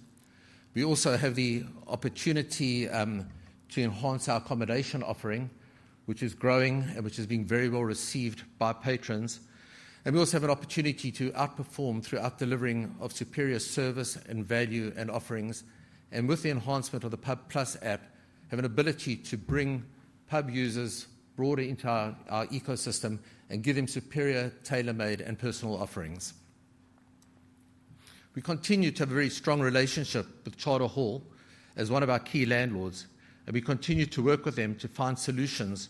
We also have the opportunity to enhance our accommodation offering, which is growing and which is being very well received by patrons. And we also have an opportunity to outperform through outdelivering of superior service and value and offerings. And with the enhancement of the Pub+ app, we have an ability to bring pub users broader into our ecosystem and give them superior tailor-made and personal offerings. We continue to have a very strong relationship with Charter Hall as one of our key landlords, and we continue to work with them to find solutions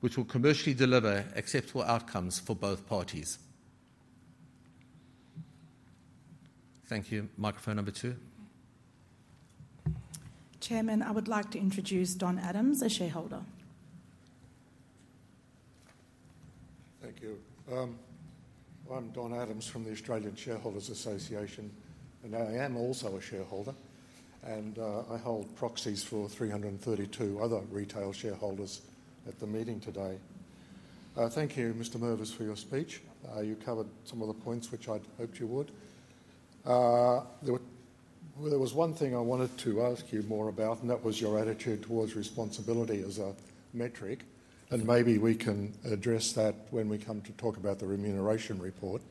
which will commercially deliver acceptable outcomes for both parties. Thank you. Microphone number two. Chairman, I would like to introduce Don Adams, a shareholder. Thank you. I'm Don Adams from the Australian Shareholders Association, and I am also a shareholder, and I hold proxies for 332 other retail shareholders at the meeting today. Thank you, Mr. Mervis, for your speech. You covered some of the points which I'd hoped you would. There was one thing I wanted to ask you more about, and that was your attitude towards responsibility as a metric, and maybe we can address that when we come to talk about the remuneration report.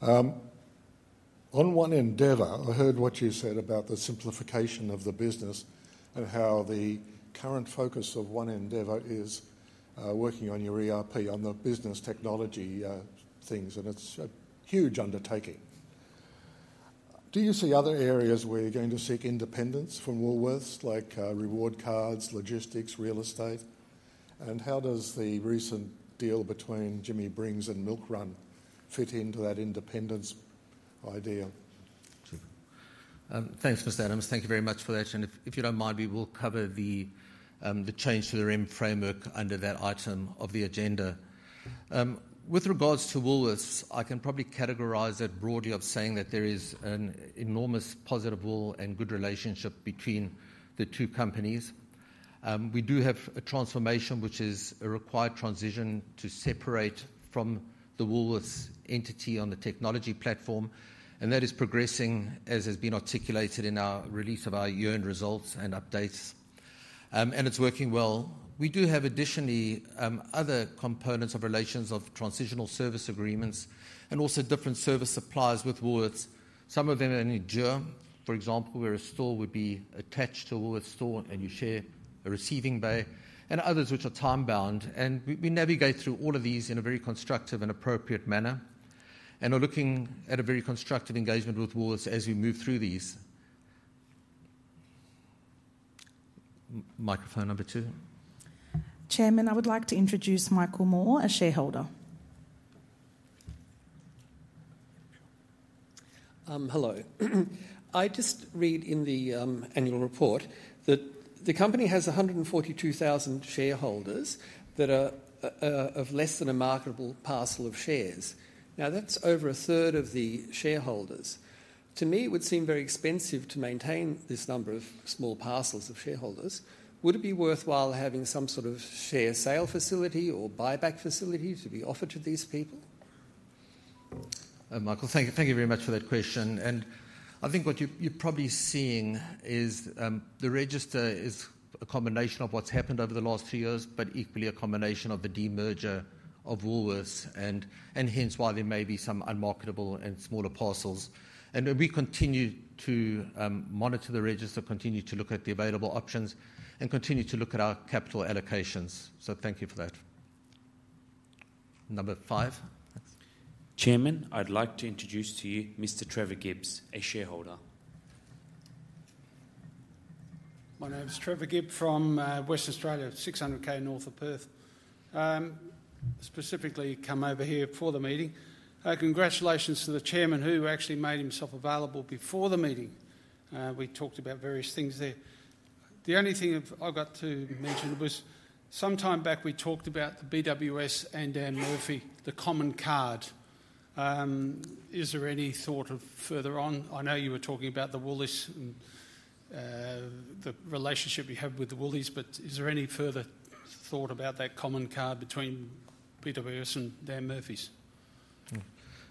On One Endeavour, I heard what you said about the simplification of the business and how the current focus of One Endeavour is working on your ERP, on the business technology things, and it's a huge undertaking. Do you see other areas where you're going to seek independence from Woolworths, like reward cards, logistics, real estate? How does the recent deal between Jimmy Brings and Milkrun fit into that independence idea? Thanks, Mr. Adams. Thank you very much for that. And if you don't mind, we will cover the change to the rem framework under that item of the agenda. With regards to Woolworths, I can probably categorize it broadly of saying that there is an enormous positive role and good relationship between the two companies. We do have a transformation, which is a required transition to separate from the Woolworths entity on the technology platform, and that is progressing, as has been articulated in our release of our year-end results and updates, and it's working well. We do have additionally other components of relations of transitional service agreements and also different service suppliers with Woolworths, some of them in an area, for example, where a store would be attached to a Woolworths store and you share a receiving bay, and others which are time-bound. And we navigate through all of these in a very constructive and appropriate manner and are looking at a very constructive engagement with Woolworths as we move through these. Microphone number two. Chairman, I would like to introduce Michael Moore, a shareholder. Hello. I just read in the annual report that the company has 142,000 shareholders that are of less than a marketable parcel of shares. Now, that's over a third of the shareholders. To me, it would seem very expensive to maintain this number of small parcels of shareholders. Would it be worthwhile having some sort of share sale facility or buyback facility to be offered to these people? Michael, thank you very much for that question. And I think what you're probably seeing is the register is a combination of what's happened over the last three years, but equally a combination of the de-merger of Woolworths and hence why there may be some unmarketable and smaller parcels. And we continue to monitor the register, continue to look at the available options, and continue to look at our capital allocations. So thank you for that. Number five. Chairman, I'd like to introduce to you Mr. Trevor Gibbs, a shareholder. My name is Trevor Gibbs from Western Australia, 600 km north of Perth. Specifically, I come over here for the meeting. Congratulations to the chairman who actually made himself available before the meeting. We talked about various things there. The only thing I've got to mention was sometime back we talked about the BWS and Dan Murphy's, the common card. Is there any thought of further on? I know you were talking about the Woolworths, the relationship you have with the Woolworths, but is there any further thought about that common card between BWS and Dan Murphy's?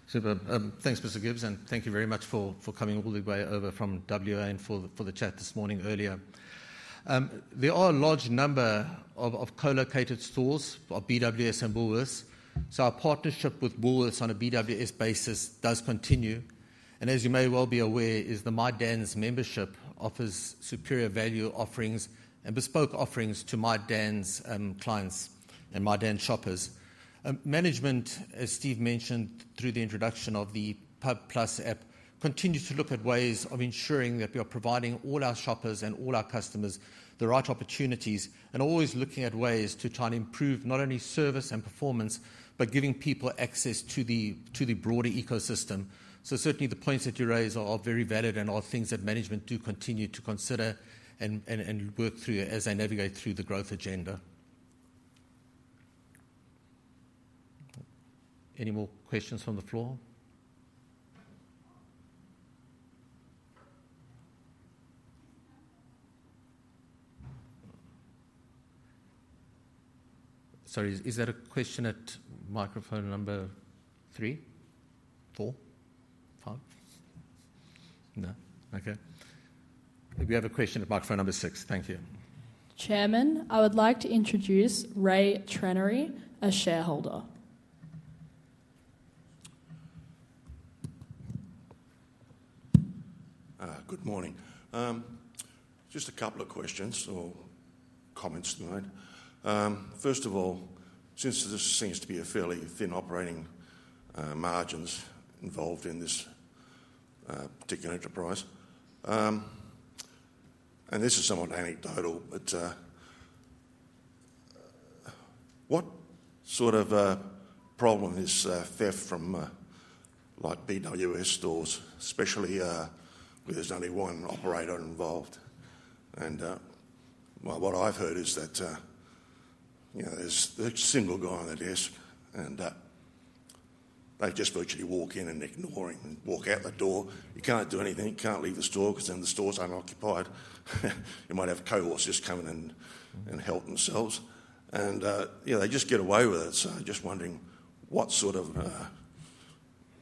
Super. Thanks, Mr. Gibbs, and thank you very much for coming all the way over from WA and for the chat this morning earlier. There are a large number of co-located stores of BWS and Woolworths, so our partnership with Woolworths on a BWS basis does continue, and as you may well be aware, the My Dan's membership offers superior value offerings and bespoke offerings to My Dan's clients and My Dan shoppers. Management, as Steve mentioned through the introduction of the Pub+ app, continues to look at ways of ensuring that we are providing all our shoppers and all our customers the right opportunities and always looking at ways to try and improve not only service and performance, but giving people access to the broader ecosystem. So certainly, the points that you raise are very valid and are things that management do continue to consider and work through as they navigate through the growth agenda. Any more questions from the floor? Sorry, is that a question at microphone number three, four, five? No? Okay. If you have a question at microphone number six, thank you. Chairman, I would like to introduce Ray Trenary, a shareholder. Good morning. Just a couple of questions or comments tonight. First of all, since this seems to be a fairly thin operating margins involved in this particular enterprise, and this is somewhat anecdotal, but what sort of problem is theft from like BWS stores, especially where there's only one operator involved? And what I've heard is that there's a single guy on the desk, and they just virtually walk in and ignore him and walk out the door. You can't do anything. You can't leave the store because then the store's unoccupied. You might have cohorts just come in and help themselves. And they just get away with it. So I'm just wondering what sort of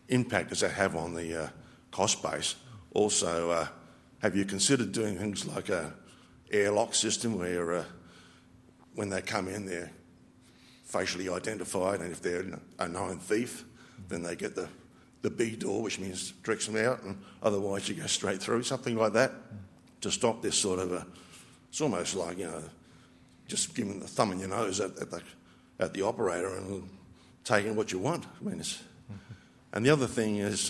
impact does that have on the cost base? Also, have you considered doing things like an airlock system where when they come in, they're facially identified, and if they're an unknown thief, then they get the B door, which means it tricks them out, and otherwise you go straight through, something like that, to stop this sort of a, it's almost like just giving the thumb in your nose at the operator and taking what you want. And the other thing is,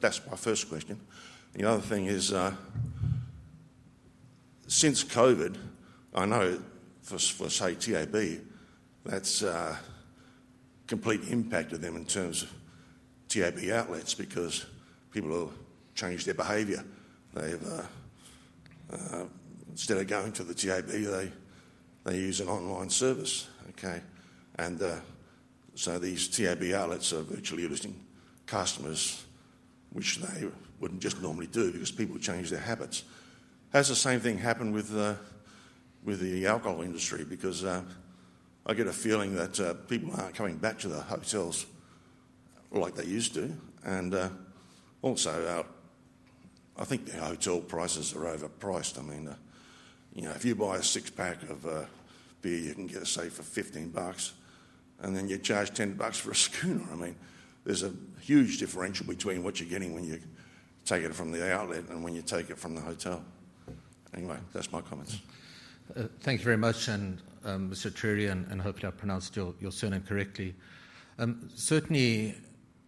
that's my first question. The other thing is, since COVID, I know for, say, TAB, that's a complete impact on them in terms of TAB outlets because people have changed their behavior. Instead of going to the TAB, they use an online service. And so these TAB outlets are virtually visiting customers, which they wouldn't just normally do because people change their habits. Has the same thing happened with the alcohol industry? Because I get a feeling that people aren't coming back to the hotels like they used to. And also, I think the hotel prices are overpriced. I mean, if you buy a six-pack of beer, you can get a slab for 15 bucks, and then you charge 10 bucks for a schooner. I mean, there's a huge differential between what you're getting when you take it from the outlet and when you take it from the hotel. Anyway, that's my comments. Thank you very much, Mr. Trenary, and I hope I pronounced your surname correctly. Certainly,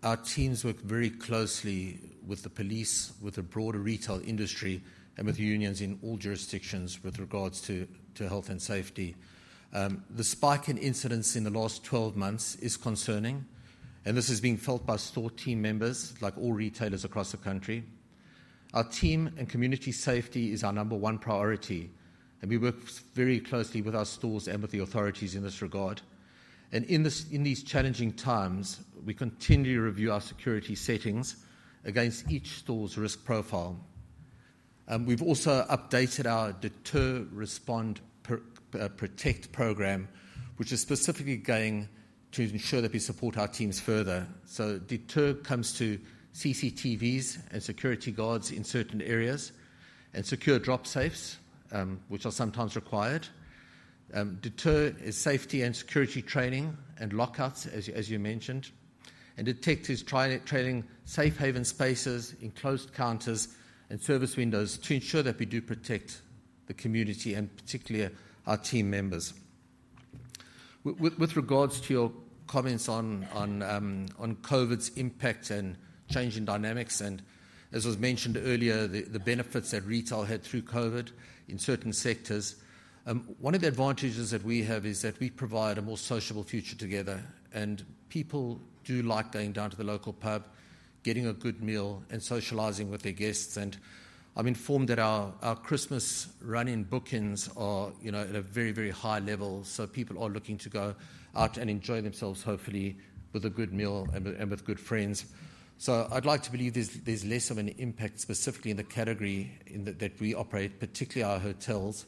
our teams work very closely with the police, with the broader retail industry, and with unions in all jurisdictions with regards to health and safety. The spike in incidents in the last 12 months is concerning, and this is being felt by store team members like all retailers across the country. Our team and community safety is our number one priority, and we work very closely with our stores and with the authorities in this regard. In these challenging times, we continually review our security settings against each store's risk profile. We've also updated our Deter Respond Protect program, which is specifically going to ensure that we support our teams further. Deter comes to CCTVs and security guards in certain areas and secure drop safes, which are sometimes required. Deter is safety and security training and lockouts, as you mentioned, and Deter is training safe haven spaces, enclosed counters, and service windows to ensure that we do protect the community and particularly our team members. With regards to your comments on COVID's impact and changing dynamics, and as was mentioned earlier, the benefits that retail had through COVID in certain sectors, one of the advantages that we have is that we provide a more sociable future together, and people do like going down to the local pub, getting a good meal, and socializing with their guests, and I'm informed that our Christmas run-in bookings are at a very, very high level, so people are looking to go out and enjoy themselves, hopefully, with a good meal and with good friends. So I'd like to believe there's less of an impact specifically in the category that we operate, particularly our hotels.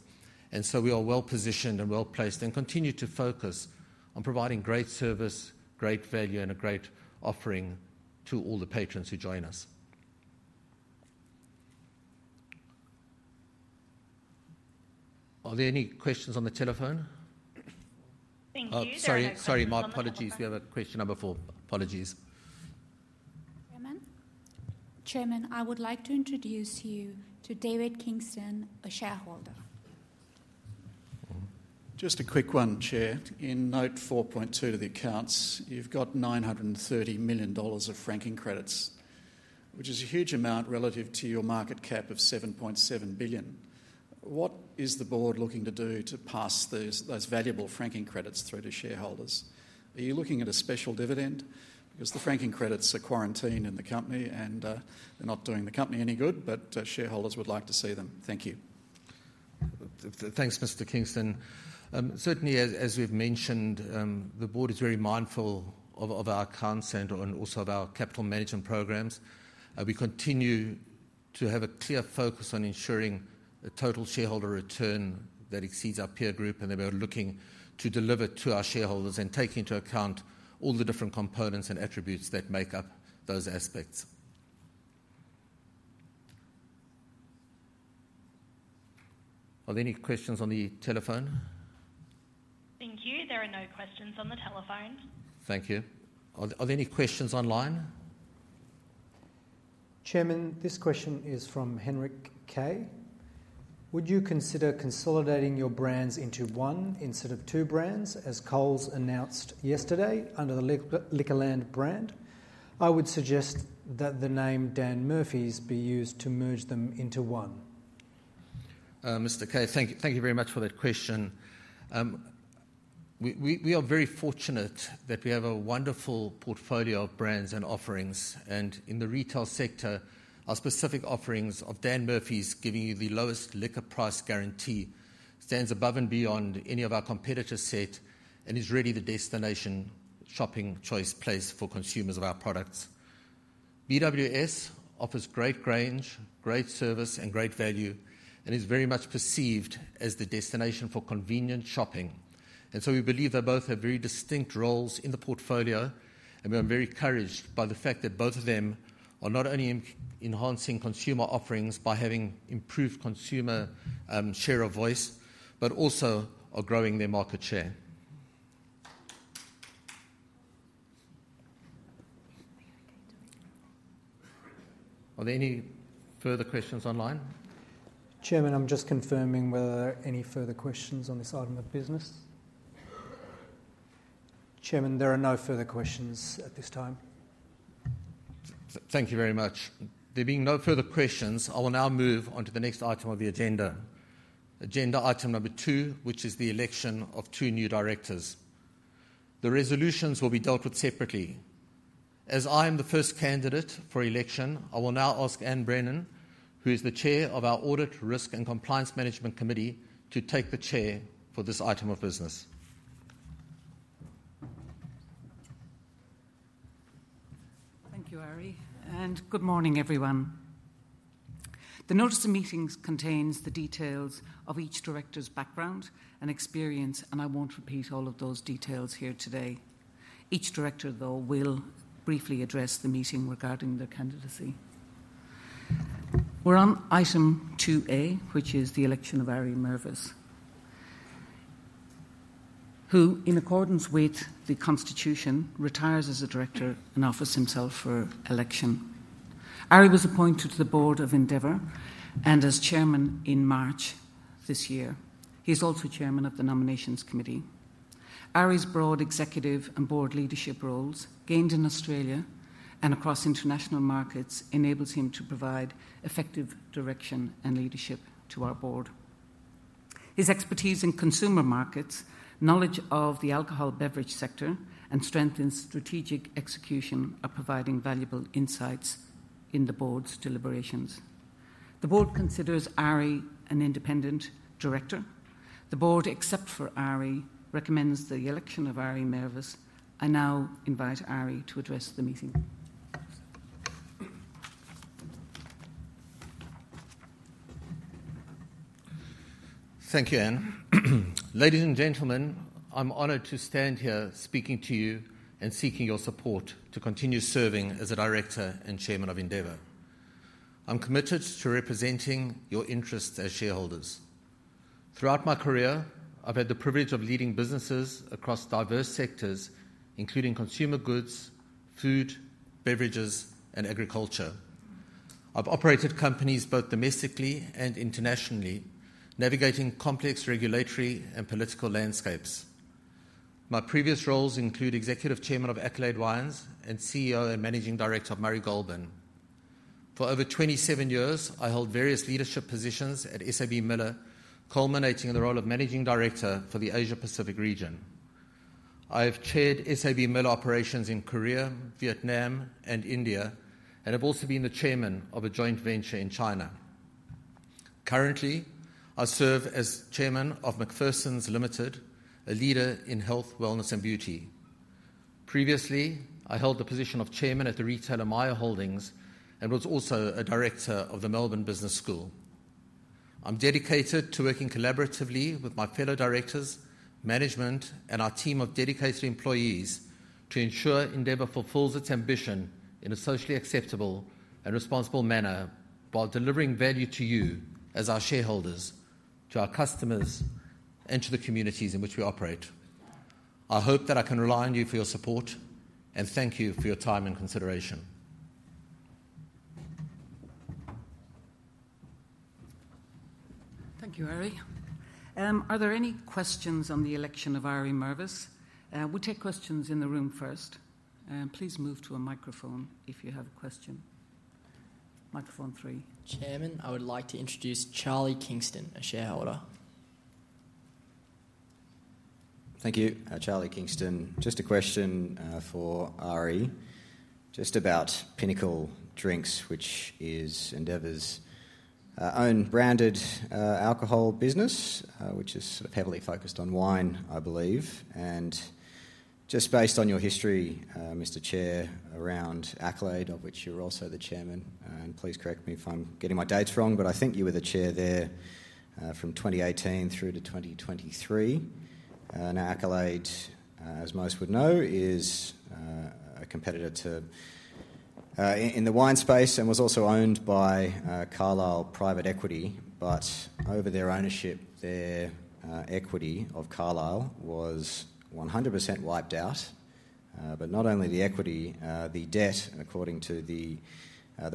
And so we are well-positioned and well-placed and continue to focus on providing great service, great value, and a great offering to all the patrons who join us. Are there any questions on the telephone? Thank you. Sorry, sorry. My apologies. We have a question number four. Apologies. Chairman, I would like to introduce you to David Kingston, a shareholder. Just a quick one, Chair. In note 4.2 of the accounts, you've got 930 million dollars of franking credits, which is a huge amount relative to your market cap of 7.7 billion. What is the board looking to do to pass those valuable franking credits through to shareholders? Are you looking at a special dividend? Because the franking credits are quarantined in the company and they're not doing the company any good, but shareholders would like to see them. Thank you. Thanks, Mr. Kingston. Certainly, as we've mentioned, the Board is very mindful of our concept and also of our capital management programs. We continue to have a clear focus on ensuring a total shareholder return that exceeds our peer group, and then we're looking to deliver to our shareholders and take into account all the different components and attributes that make up those aspects. Are there any questions on the telephone? Thank you. There are no questions on the telephone. Thank you. Are there any questions online? Chairman, this question is from Henrik Kay. Would you consider consolidating your brands into one instead of two brands, as Coles announced yesterday under the Liquorland brand? I would suggest that the name Dan Murphy's be used to merge them into one. Mr. Kay, thank you very much for that question. We are very fortunate that we have a wonderful portfolio of brands and offerings, and in the retail sector, our specific offerings of Dan Murphy's giving you the lowest liquor price guarantee stands above and beyond any of our competitor set and is really the destination shopping choice place for consumers of our products. BWS offers great range, great service, and great value, and is very much perceived as the destination for convenient shopping. And so we believe they both have very distinct roles in the portfolio, and we are very courageous by the fact that both of them are not only enhancing consumer offerings by having improved consumer share of voice, but also are growing their market share. Are there any further questions online? Chairman, I'm just confirming whether there are any further questions on this item of business. Chairman, there are no further questions at this time. Thank you very much. There being no further questions, I will now move on to the next item of the agenda, agenda item number two, which is the election of two new directors. The resolutions will be dealt with separately. As I am the first candidate for election, I will now ask Anne Brennan, who is the chair of our Audit, Risk, and Compliance Management Committee, to take the chair for this item of business. Thank you, Ari, and good morning, everyone. The notice of meetings contains the details of each director's background and experience, and I won't repeat all of those details here today. Each director, though, will briefly address the meeting regarding their candidacy. We're on item 2A, which is the election of Ari Mervis, who, in accordance with the Constitution, retires as a director and offers himself for election. Ari was appointed to the Board of Endeavour and as chairman in March this year. He is also chairman of the Nominations Committee. Ari's broad executive and board leadership roles, gained in Australia and across international markets, enables him to provide effective direction and leadership to our board. His expertise in consumer markets, knowledge of the alcohol beverage sector, and strength in strategic execution are providing valuable insights in the board's deliberations. The board considers Ari an independent director. The Board, except for Ari, recommends the election of Ari Mervis. I now invite Ari to address the meeting. Thank you, Anne. Ladies and gentlemen, I'm honored to stand here speaking to you and seeking your support to continue serving as a director and chairman of Endeavour. I'm committed to representing your interests as shareholders. Throughout my career, I've had the privilege of leading businesses across diverse sectors, including consumer goods, food, beverages, and agriculture. I've operated companies both domestically and internationally, navigating complex regulatory and political landscapes. My previous roles include Executive Chairman of Accolade Wines and CEO and Managing Director of Murray Goulburn. For over 27 years, I held various leadership positions at SABMiller, culminating in the role of Managing Director for the Asia-Pacific region. I have chaired SABMiller operations in Korea, Vietnam, and India, and have also been the chairman of a joint venture in China. Currently, I serve as chairman of McPherson's Limited, a leader in health, wellness, and beauty. Previously, I held the position of chairman at the retailer Myer Holdings and was also a director of the Melbourne Business School. I'm dedicated to working collaboratively with my fellow directors, management, and our team of dedicated employees to ensure Endeavour fulfills its ambition in a socially acceptable and responsible manner while delivering value to you as our shareholders, to our customers, and to the communities in which we operate. I hope that I can rely on you for your support, and thank you for your time and consideration. Thank you, Ari. Are there any questions on the election of Ari Mervis? We take questions in the room first. Please move to a microphone if you have a question. Microphone three. Chairman, I would like to introduce Charlie Kingston, a shareholder. Thank you, Charlie Kingston. Just a question for Ari. Just about Pinnacle Drinks, which is Endeavour's own branded alcohol business, which is heavily focused on wine, I believe. And just based on your history, Mr. Chair, around Accolade, of which you're also the chairman, and please correct me if I'm getting my dates wrong, but I think you were the chair there from 2018 through to 2023. Now, Accolade, as most would know, is a competitor in the wine space and was also owned by Carlyle Private Equity. But over their ownership, their equity of Carlyle was 100% wiped out. But not only the equity, the debt, and according to the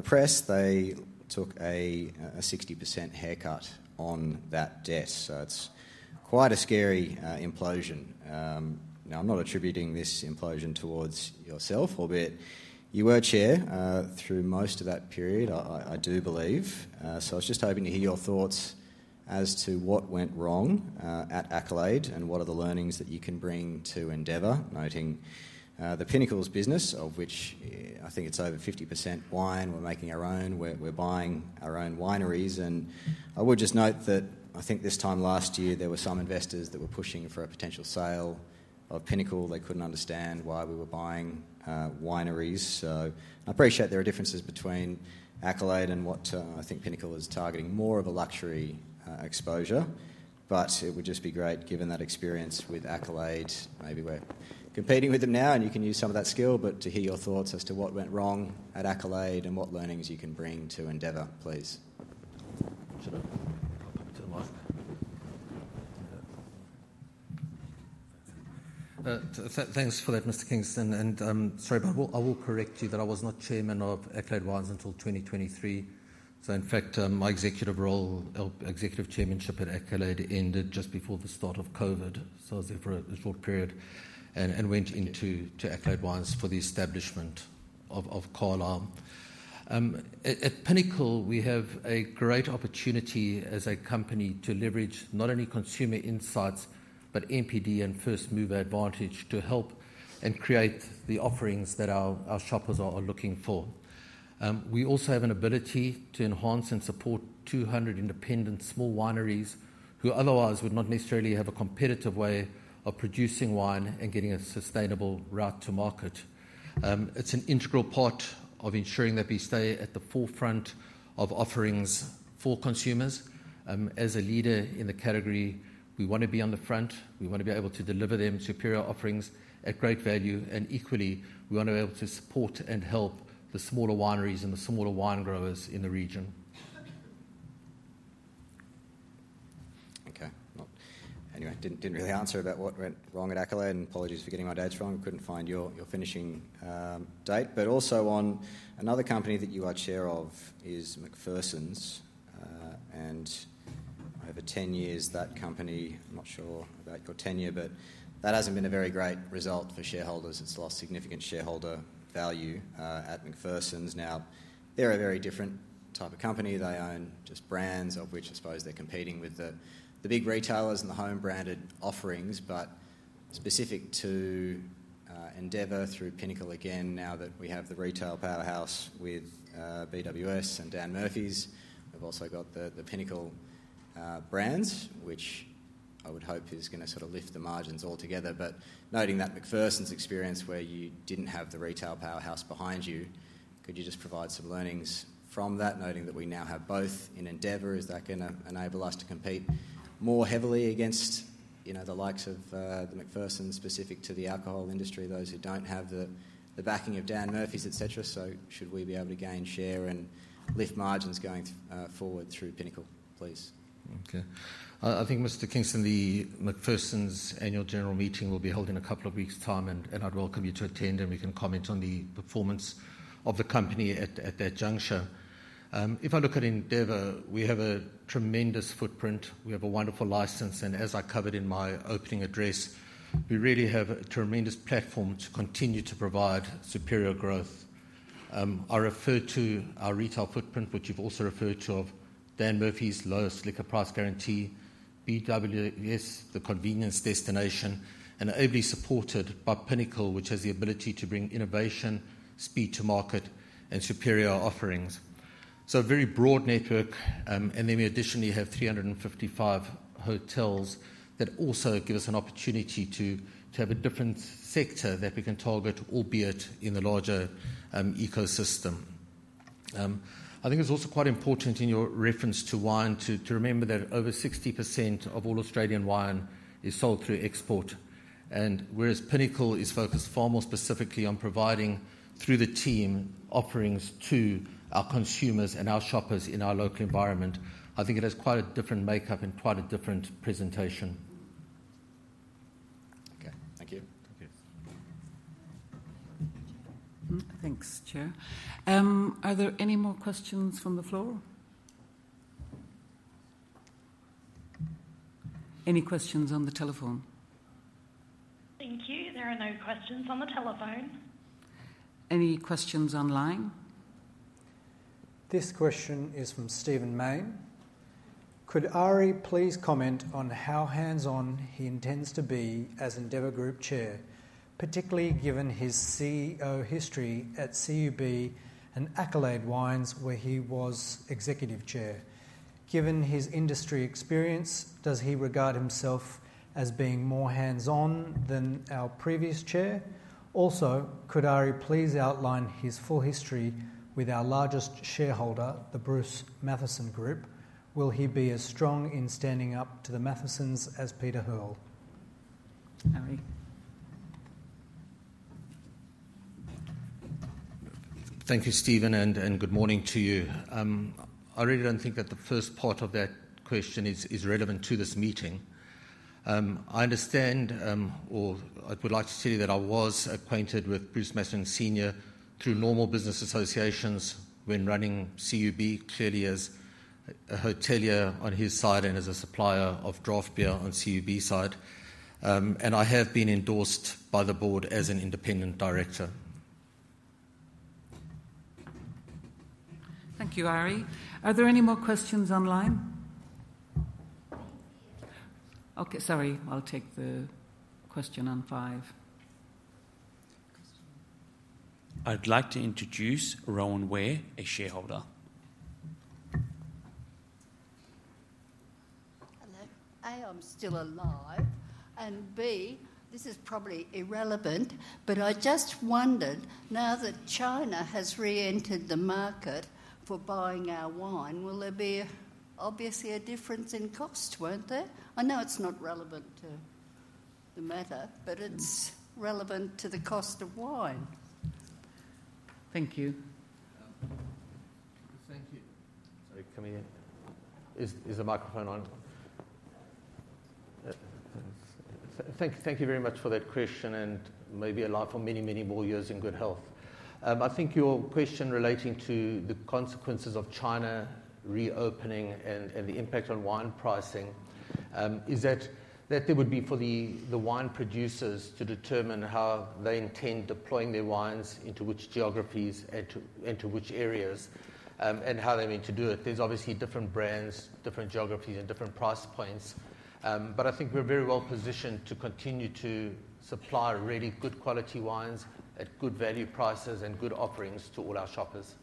press, they took a 60% haircut on that debt. So it's quite a scary implosion. Now, I'm not attributing this implosion towards yourself, albeit you were chair through most of that period, I do believe. So, I was just hoping to hear your thoughts as to what went wrong at Accolade and what are the learnings that you can bring to Endeavour, noting the Pinnacle's business, of which I think it's over 50% wine. We're making our own. We're buying our own wineries. And I would just note that I think this time last year, there were some investors that were pushing for a potential sale of Pinnacle. They couldn't understand why we were buying wineries. So I appreciate there are differences between Accolade and what I think Pinnacle is targeting, more of a luxury exposure. But it would just be great, given that experience with Accolade, maybe we're competing with them now and you can use some of that skill, but to hear your thoughts as to what went wrong at Accolade and what learnings you can bring to Endeavour, please. Thanks for that, Mr. Kingston. Sorry, but I will correct you that I was not chairman of Accolade Wines until 2023. So in fact, my executive role, executive chairmanship at Accolade, ended just before the start of COVID. So I was there for a short period and went into Accolade Wines for the establishment of Carlyle. At Pinnacle, we have a great opportunity as a company to leverage not only consumer insights, but NPD and first mover advantage to help and create the offerings that our shoppers are looking for. We also have an ability to enhance and support 200 independent small wineries who otherwise would not necessarily have a competitive way of producing wine and getting a sustainable route to market. It's an integral part of ensuring that we stay at the forefront of offerings for consumers. As a leader in the category, we want to be on the front. We want to be able to deliver them superior offerings at great value, and equally, we want to be able to support and help the smaller wineries and the smaller wine growers in the region. Okay. Anyway, I didn't really answer about what went wrong at Accolade. Apologies for getting my dates wrong. Couldn't find your finishing date. But also on another company that you are chair of is McPherson's. And over 10 years, that company, I'm not sure about your tenure, but that hasn't been a very great result for shareholders. It's lost significant shareholder value at McPherson's. Now, they're a very different type of company. They own just brands, of which I suppose they're competing with the big retailers and the home-branded offerings. But specific to Endeavour through Pinnacle, again, now that we have the retail powerhouse with BWS and Dan Murphy's, we've also got the Pinnacle brands, which I would hope is going to sort of lift the margins altogether. But noting that McPherson's experience where you didn't have the retail powerhouse behind you, could you just provide some learnings from that, noting that we now have both in Endeavour? Is that going to enable us to compete more heavily against the likes of the McPherson's specific to the alcohol industry, those who don't have the backing of Dan Murphy's, etc.? So should we be able to gain share and lift margins going forward through Pinnacle, please? Okay. I think, Mr. Kingston, the McPherson's annual general meeting will be held in a couple of weeks' time, and I'd welcome you to attend, and we can comment on the performance of the company at that juncture. If I look at Endeavour, we have a tremendous footprint. We have a wonderful license. And as I covered in my opening address, we really have a tremendous platform to continue to provide superior growth. I refer to our retail footprint, which you've also referred to, of Dan Murphy's lowest liquor price guarantee, BWS, the convenience destination, and ably supported by Pinnacle, which has the ability to bring innovation, speed to market, and superior offerings. So a very broad network. And then we additionally have 355 hotels that also give us an opportunity to have a different sector that we can target, albeit in the larger ecosystem. I think it's also quite important in your reference to wine to remember that over 60% of all Australian wine is sold through export, and whereas Pinnacle is focused far more specifically on providing through the team offerings to our consumers and our shoppers in our local environment, I think it has quite a different makeup and quite a different presentation. Okay. Thank you. Thanks, Chair. Are there any more questions from the floor? Any questions on the telephone? Thank you. There are no questions on the telephone. Any questions online? This question is from Stephen Mayne. Could Ari please comment on how hands-on he intends to be as Endeavour Group Chair, particularly given his CEO history at CUB and Accolade Wines where he was executive chair? Given his industry experience, does he regard himself as being more hands-on than our previous chair? Also, could Ari please outline his full history with our largest shareholder, the Bruce Matheson Group? Will he be as strong in standing up to the Mathiesons as Peter Hearl? Ari. Thank you, Stephen, and good morning to you. I really don't think that the first part of that question is relevant to this meeting. I understand, or I would like to tell you that I was acquainted with Bruce Mathieson Senior through normal business associations when running CUB, clearly as a hotelier on his side and as a supplier of draft beer on CUB's side, and I have been endorsed by the board as an independent director. Thank you, Ari. Are there any more questions online? Okay. Sorry. I'll take the question on five. I'd like to introduce Rowan Ware, a shareholder. Hello. A, I'm still alive. And B, this is probably irrelevant, but I just wondered, now that China has re-entered the market for buying our wine, will there be obviously a difference in cost, won't there? I know it's not relevant to the matter, but it's relevant to the cost of wine. Thank you. Thank you. Sorry, come here. Is the microphone on? Thank you very much for that question, and may you be alive for many, many more years in good health. I think your question relating to the consequences of China reopening and the impact on wine pricing is that there would be for the wine producers to determine how they intend deploying their wines into which geographies and to which areas and how they mean to do it. There's obviously different brands, different geographies, and different price points. But I think we're very well positioned to continue to supply really good quality wines at good value prices and good offerings to all our shoppers.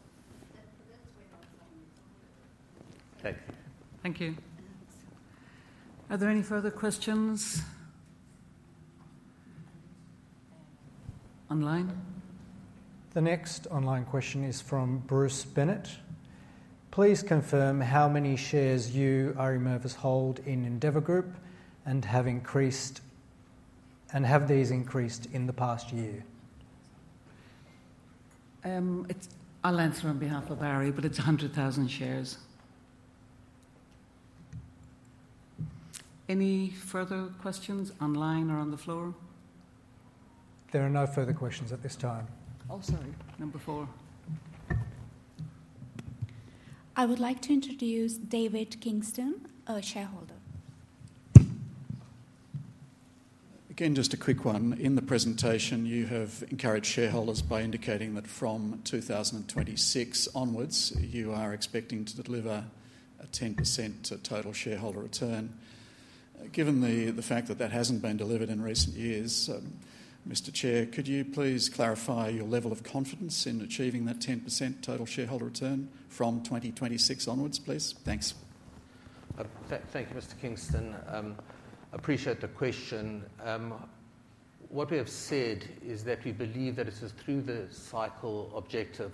Thank you. Are there any further questions online? The next online question is from Bruce Bennett. Please confirm how many shares you, Ari Mervis, hold in Endeavour Group and have increased and have these increased in the past year. I'll answer on behalf of Ari, but it's 100,000 shares. Any further questions online or on the floor? There are no further questions at this time. Oh, sorry. Number four. I would like to introduce David Kingston, a shareholder. Again, just a quick one. In the presentation, you have encouraged shareholders by indicating that from 2026 onwards, you are expecting to deliver a 10% total shareholder return. Given the fact that that hasn't been delivered in recent years, Mr. Chair, could you please clarify your level of confidence in achieving that 10% total shareholder return from 2026 onwards, please? Thanks. Thank you, Mr. Kingston. I appreciate the question. What we have said is that we believe that it is through the cycle objective.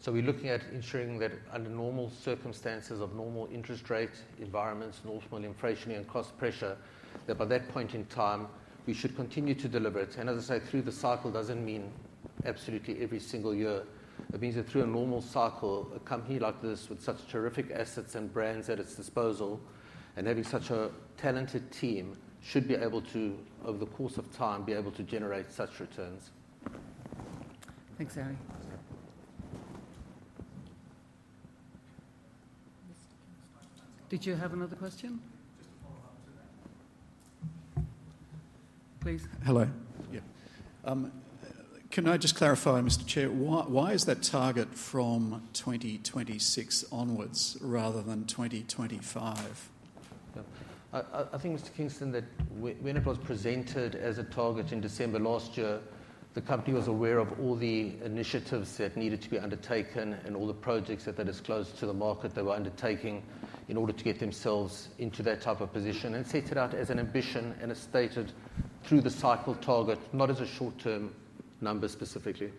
So we're looking at ensuring that under normal circumstances of normal interest rate environments and ultimately inflationary and cost pressure, that by that point in time, we should continue to deliver it. And as I say, through the cycle doesn't mean absolutely every single year. It means that through a normal cycle, a company like this with such terrific assets and brands at its disposal and having such a talented team should be able to, over the course of time, be able to generate such returns. Thanks, Ari. Did you have another question? Please. Hello. Yeah. Can I just clarify, Mr. Chair, why is that target from 2026 onwards rather than 2025? I think, Mr. Kingston, that when it was presented as a target in December last year, the company was aware of all the initiatives that needed to be undertaken and all the projects that they disclosed to the market they were undertaking in order to get themselves into that type of position, and it set it out as an ambition and it stated through the cycle target, not as a short-term number specifically.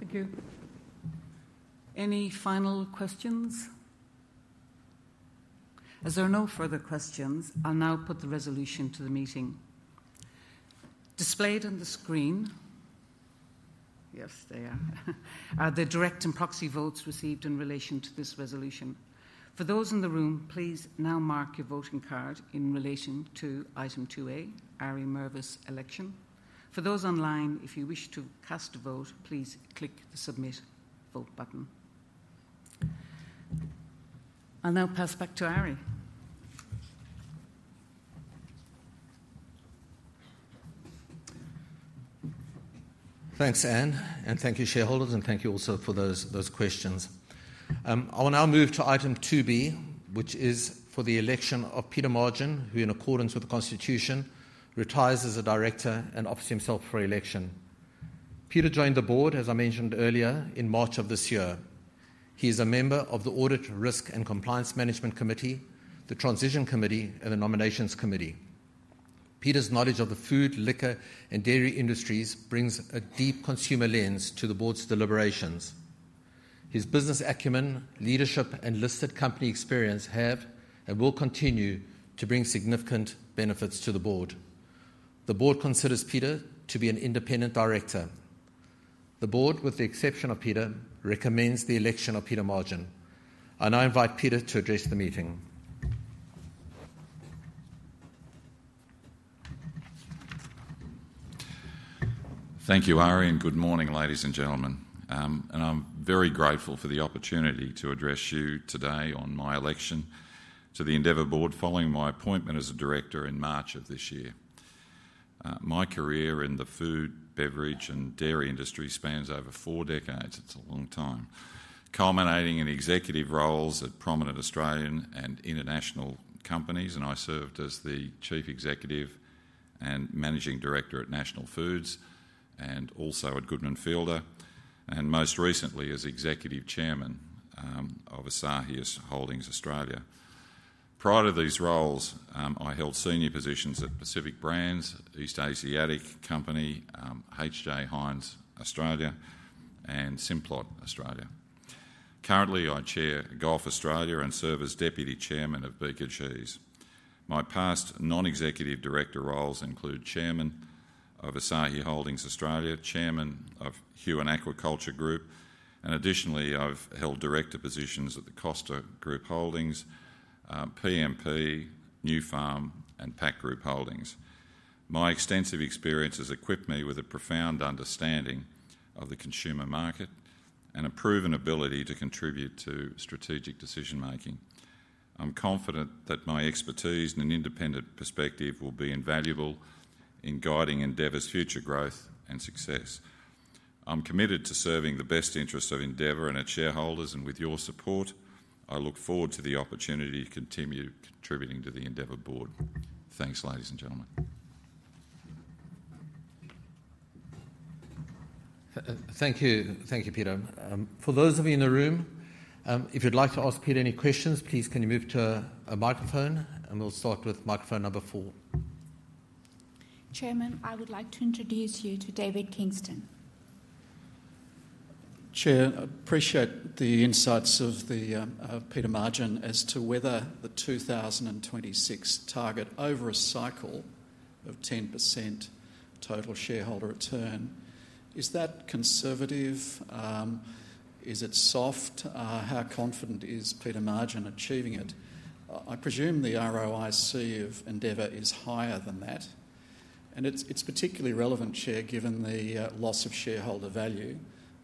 Thank you. Any final questions? As there are no further questions, I'll now put the resolution to the meeting. Displayed on the screen? Yes, they are. Are the direct and proxy votes received in relation to this resolution. For those in the room, please now mark your voting card in relation to item 2A, Ari Mervis's election. For those online, if you wish to cast a vote, please click the submit vote button. I'll now pass back to Ari. Thanks, Anne. And thank you, shareholders, and thank you also for those questions. I will now move to item 2B, which is for the election of Peter Margin, who, in accordance with the Constitution, retires as a director and opts himself for election. Peter joined the board, as I mentioned earlier, in March of this year. He is a member of the Audit Risk and Compliance Management Committee, the Transition Committee, and the Nominations Committee. Peter's knowledge of the food, liquor, and dairy industries brings a deep consumer lens to the board's deliberations. His business acumen, leadership, and listed company experience have and will continue to bring significant benefits to the board. The board considers Peter to be an independent director. The board, with the exception of Peter, recommends the election of Peter Margin. I now invite Peter to address the meeting. Thank you, Ari, and good morning, ladies and gentlemen. I'm very grateful for the opportunity to address you today on my election to the Endeavour board following my appointment as a director in March of this year. My career in the food, beverage, and dairy industry spans over four decades. It's a long time, culminating in executive roles at prominent Australian and international companies, and I served as the Chief Executive and Managing Director at National Foods and also at Goodman Fielder, and most recently as Executive Chairman of Asahi Holdings Australia. Prior to these roles, I held senior positions at Pacific Brands, East Asiatic Company, H. J. Heinz Australia, and Simplot Australia. Currently, I chair Golf Australia and serve as Deputy Chairman of Bega Cheese. My past non-executive director roles include Chairman of Asahi Holdings Australia, Chairman of Huon Aquaculture Group, and additionally, I've held director positions at the Costa Group Holdings, PMP, Nufarm, and Pact Group Holdings. My extensive experience has equipped me with a profound understanding of the consumer market and a proven ability to contribute to strategic decision-making. I'm confident that my expertise and an independent perspective will be invaluable in guiding Endeavour's future growth and success. I'm committed to serving the best interests of Endeavour and its shareholders, and with your support, I look forward to the opportunity to continue contributing to the Endeavour board. Thanks, ladies and gentlemen. Thank you, Peter. For those of you in the room, if you'd like to ask Peter any questions, please can you move to a microphone, and we'll start with microphone number four. Chairman, I would like to introduce you to David Kingston. Chair, I appreciate the insights of Peter Margin as to whether the 2026 target over a cycle of 10% total shareholder return. Is that conservative? Is it soft? How confident is Peter Margin achieving it? I presume the ROIC of Endeavour is higher than that. And it's particularly relevant, Chair, given the loss of shareholder value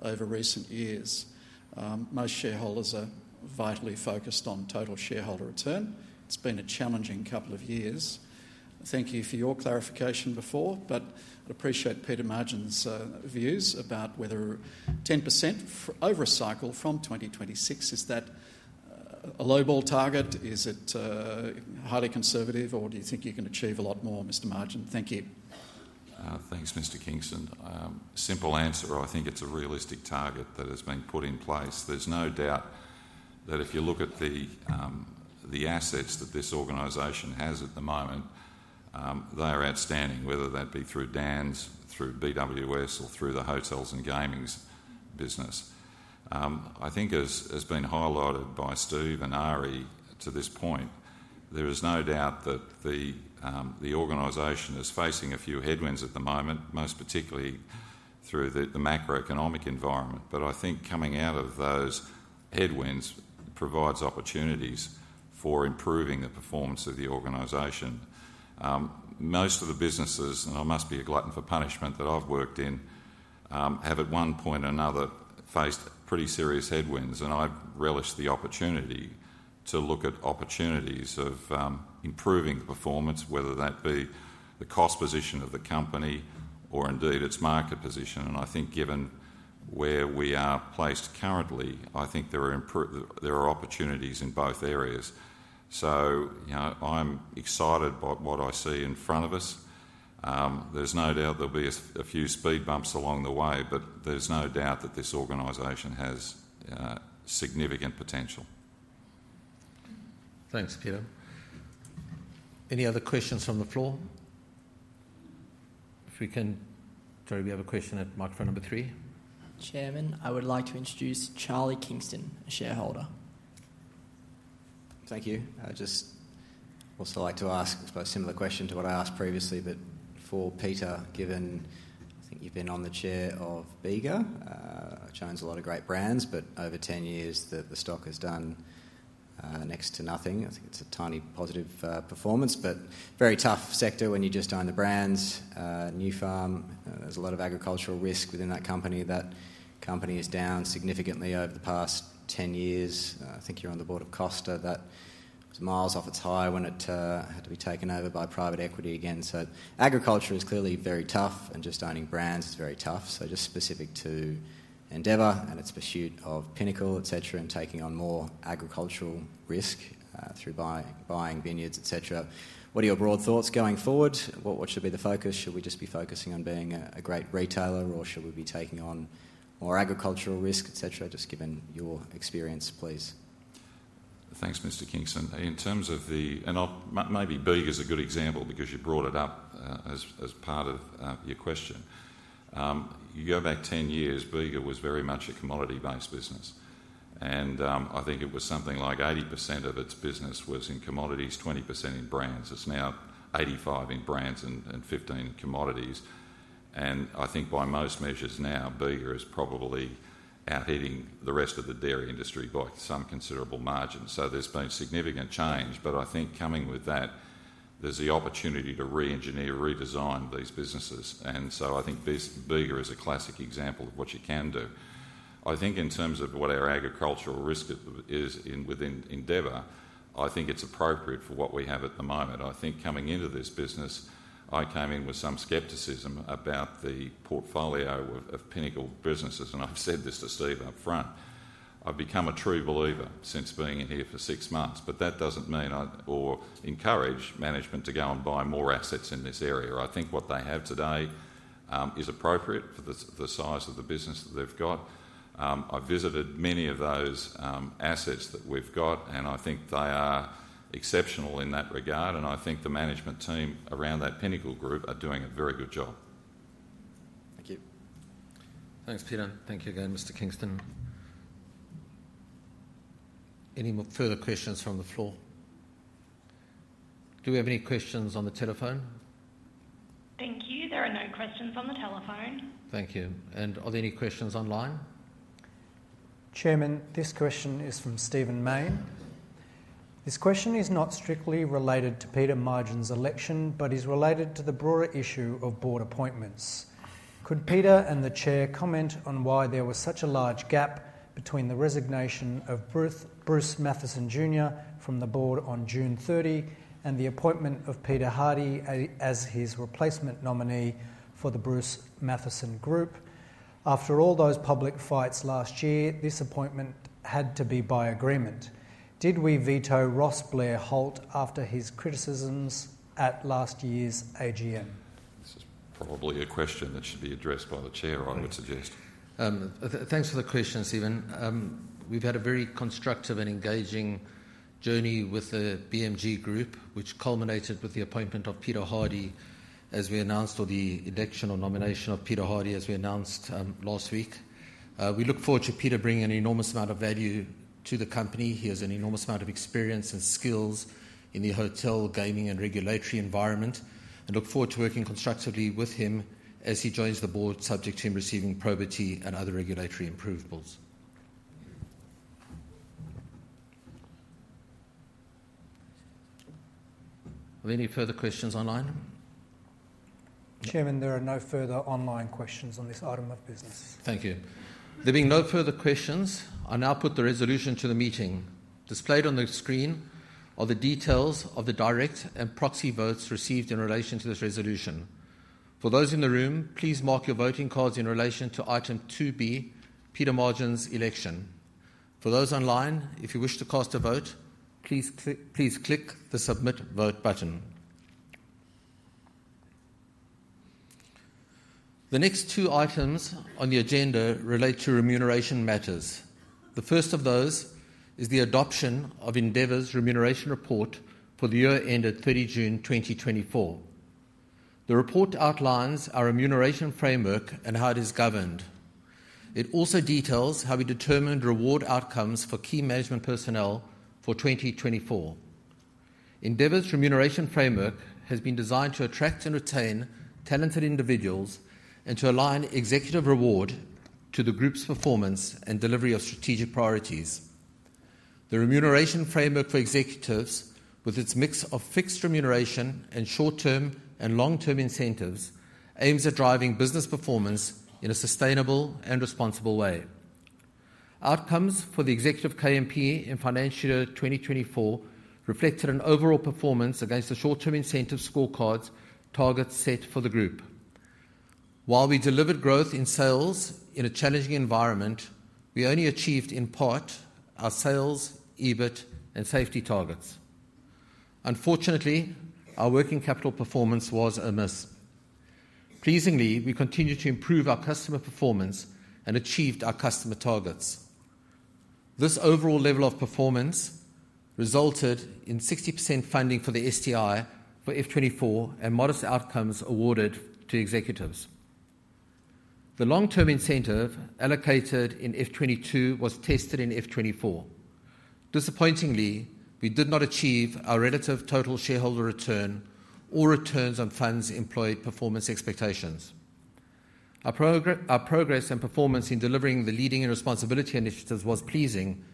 over recent years. Most shareholders are vitally focused on total shareholder return. It's been a challenging couple of years. Thank you for your clarification before, but I'd appreciate Peter Margin's views about whether 10% over a cycle from 2026. Is that a low-ball target? Is it highly conservative, or do you think you can achieve a lot more, Mr. Margin? Thank you. Thanks, Mr. Kingston. Simple answer, I think it's a realistic target that has been put in place. There's no doubt that if you look at the assets that this organization has at the moment, they are outstanding, whether that be through Dan's, through BWS, or through the hotels and gaming business. I think, as has been highlighted by Steve and Ari to this point, there is no doubt that the organization is facing a few headwinds at the moment, most particularly through the macroeconomic environment. But I think coming out of those headwinds provides opportunities for improving the performance of the organization. Most of the businesses, and I must be a glutton for punishment that I've worked in, have at one point or another faced pretty serious headwinds, and I relished the opportunity to look at opportunities of improving performance, whether that be the cost position of the company or indeed its market position. And I think given where we are placed currently, I think there are opportunities in both areas. So I'm excited by what I see in front of us. There's no doubt there'll be a few speed bumps along the way, but there's no doubt that this organization has significant potential. Thanks, Peter. Any other questions from the floor? If we can, sorry, we have a question at microphone number three. Chairman, I would like to introduce Charlie Kingston, a shareholder. Thank you. I just also like to ask a similar question to what I asked previously, but for Peter, given I think you've been on the chair of Bega, which owns a lot of great brands, but over 10 years, the stock has done next to nothing. I think it's a tiny positive performance, but very tough sector when you just own the brands. Nufarm, there's a lot of agricultural risk within that company. That company is down significantly over the past 10 years. I think you're on the board of Costa. That was miles off its high when it had to be taken over by private equity again. So agriculture is clearly very tough, and just owning brands is very tough. So just specific to Endeavour and its pursuit of Pinnacle, etc., and taking on more agricultural risk through buying vineyards, etc. What are your broad thoughts going forward? What should be the focus? Should we just be focusing on being a great retailer, or should we be taking on more agricultural risk, etc.? Just given your experience, please. Thanks, Mr. Kingston. In terms of the, and maybe Bega is a good example because you brought it up as part of your question. You go back 10 years. Bega was very much a commodity-based business, and I think it was something like 80% of its business was in commodities, 20% in brands. It's now 85% in brands and 15% in commodities, and I think by most measures now, Bega is probably outpacing the rest of the dairy industry by some considerable margin. So there's been significant change, but I think coming with that, there's the opportunity to re-engineer, redesign these businesses, and so I think Bega is a classic example of what you can do. I think in terms of what our agricultural risk is within Endeavour, I think it's appropriate for what we have at the moment. I think coming into this business, I came in with some skepticism about the portfolio of Pinnacle businesses, and I've said this to Steve upfront. I've become a true believer since being in here for six months, but that doesn't mean I encourage management to go and buy more assets in this area. I think what they have today is appropriate for the size of the business that they've got. I've visited many of those assets that we've got, and I think they are exceptional in that regard, and I think the management team around that Pinnacle group are doing a very good job. Thank you. Thanks, Peter. Thank you again, Mr. Kingston. Any further questions from the floor? Do we have any questions on the telephone? Thank you. There are no questions on the telephone. Thank you. And are there any questions online? Chairman, this question is from Stephen Mayne. This question is not strictly related to Peter Margin's election, but is related to the broader issue of board appointments. Could Peter and the Chair comment on why there was such a large gap between the resignation of Bruce Matheson Jr. from the board on June 30 and the appointment of Peter Hardy as his replacement nominee for the Bruce Matheson Group? After all those public fights last year, this appointment had to be by agreement. Did we veto Ross Blair-Holt after his criticisms at last year's AGM? This is probably a question that should be addressed by the Chair, I would suggest. Thanks for the question, Stephen. We've had a very constructive and engaging journey with the BMG Group, which culminated with the appointment of Peter Hardy as we announced, or the election or nomination of Peter Hardy as we announced last week. We look forward to Peter bringing an enormous amount of value to the company. He has an enormous amount of experience and skills in the hotel, gaming, and regulatory environment, and we look forward to working constructively with him as he joins the board, subject to him receiving probity and other regulatory approvals. Are there any further questions online? Chairman, there are no further online questions on this item of business. Thank you. There being no further questions, I now put the resolution to the meeting. Displayed on the screen are the details of the direct and proxy votes received in relation to this resolution. For those in the room, please mark your voting cards in relation to item 2B, Peter Margin's election. For those online, if you wish to cast a vote, please click the submit vote button. The next two items on the agenda relate to remuneration matters. The first of those is the adoption of Endeavour's remuneration report for the year ended June 30 2024. The report outlines our remuneration framework and how it is governed. It also details how we determined reward outcomes for key management personnel for 2024. Endeavour's remuneration framework has been designed to attract and retain talented individuals and to align executive reward to the group's performance and delivery of strategic priorities. The remuneration framework for executives, with its mix of fixed remuneration and short-term and long-term incentives, aims at driving business performance in a sustainable and responsible way. Outcomes for the executive KMP in financial year 2024 reflected an overall performance against the short-term incentive scorecards targets set for the group. While we delivered growth in sales in a challenging environment, we only achieved in part our sales, EBIT, and safety targets. Unfortunately, our working capital performance was a miss. Pleasingly, we continued to improve our customer performance and achieved our customer targets. This overall level of performance resulted in 60% funding for the STI for F24 and modest outcomes awarded to executives. The long-term incentive allocated in F22 was tested in F24. Disappointingly, we did not achieve our relative total shareholder return or returns on funds employed performance expectations. Our progress and performance in delivering the Leading in Responsibility initiatives was pleasing.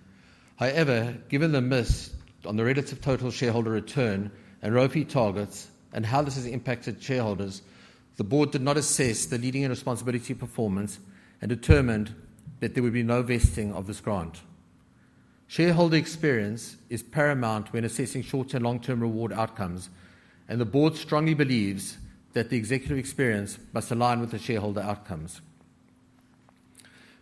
However, given the miss on the relative total shareholder return and ROFE targets and how this has impacted shareholders, the board did not assess the Leading in Responsibility performance and determined that there would be no vesting of this grant. Shareholder experience is paramount when assessing short-term and long-term reward outcomes, and the board strongly believes that the executive experience must align with the shareholder outcomes.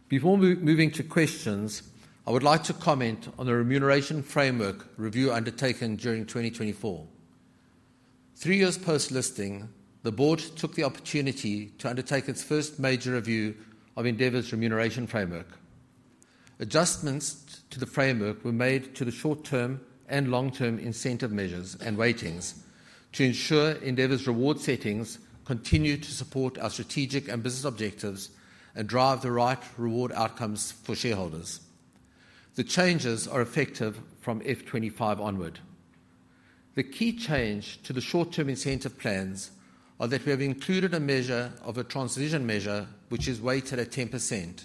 Before moving to questions, I would like to comment on the remuneration framework review undertaken during 2024. Three years post-listing, the board took the opportunity to undertake its first major review of Endeavour's remuneration framework. Adjustments to the framework were made to the short-term and long-term incentive measures and weightings to ensure Endeavour's reward settings continue to support our strategic and business objectives and drive the right reward outcomes for shareholders. The changes are effective from FY 2025 onward. The key change to the short-term incentive plans is that we have included a measure of a transition measure, which is weighted at 10%.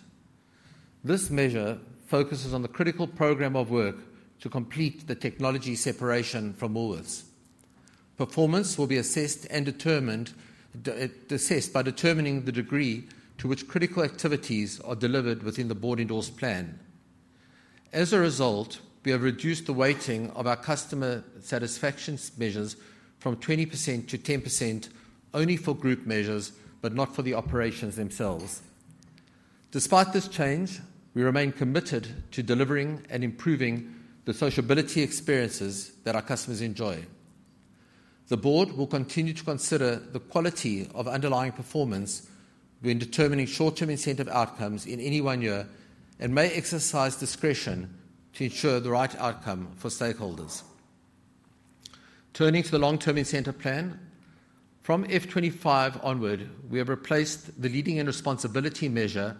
This measure focuses on the critical program of work to complete the technology separation from Woolworths. Performance will be assessed and determined by determining the degree to which critical activities are delivered within the board-endorsed plan. As a result, we have reduced the weighting of our customer satisfaction measures from 20% to 10% only for group measures, but not for the operations themselves. Despite this change, we remain committed to delivering and improving the sociability experiences that our customers enjoy. The board will continue to consider the quality of underlying performance when determining short-term incentive outcomes in any one year and may exercise discretion to ensure the right outcome for stakeholders. Turning to the long-term incentive plan, from F25 onward, we have replaced the Leading in Responsibility measure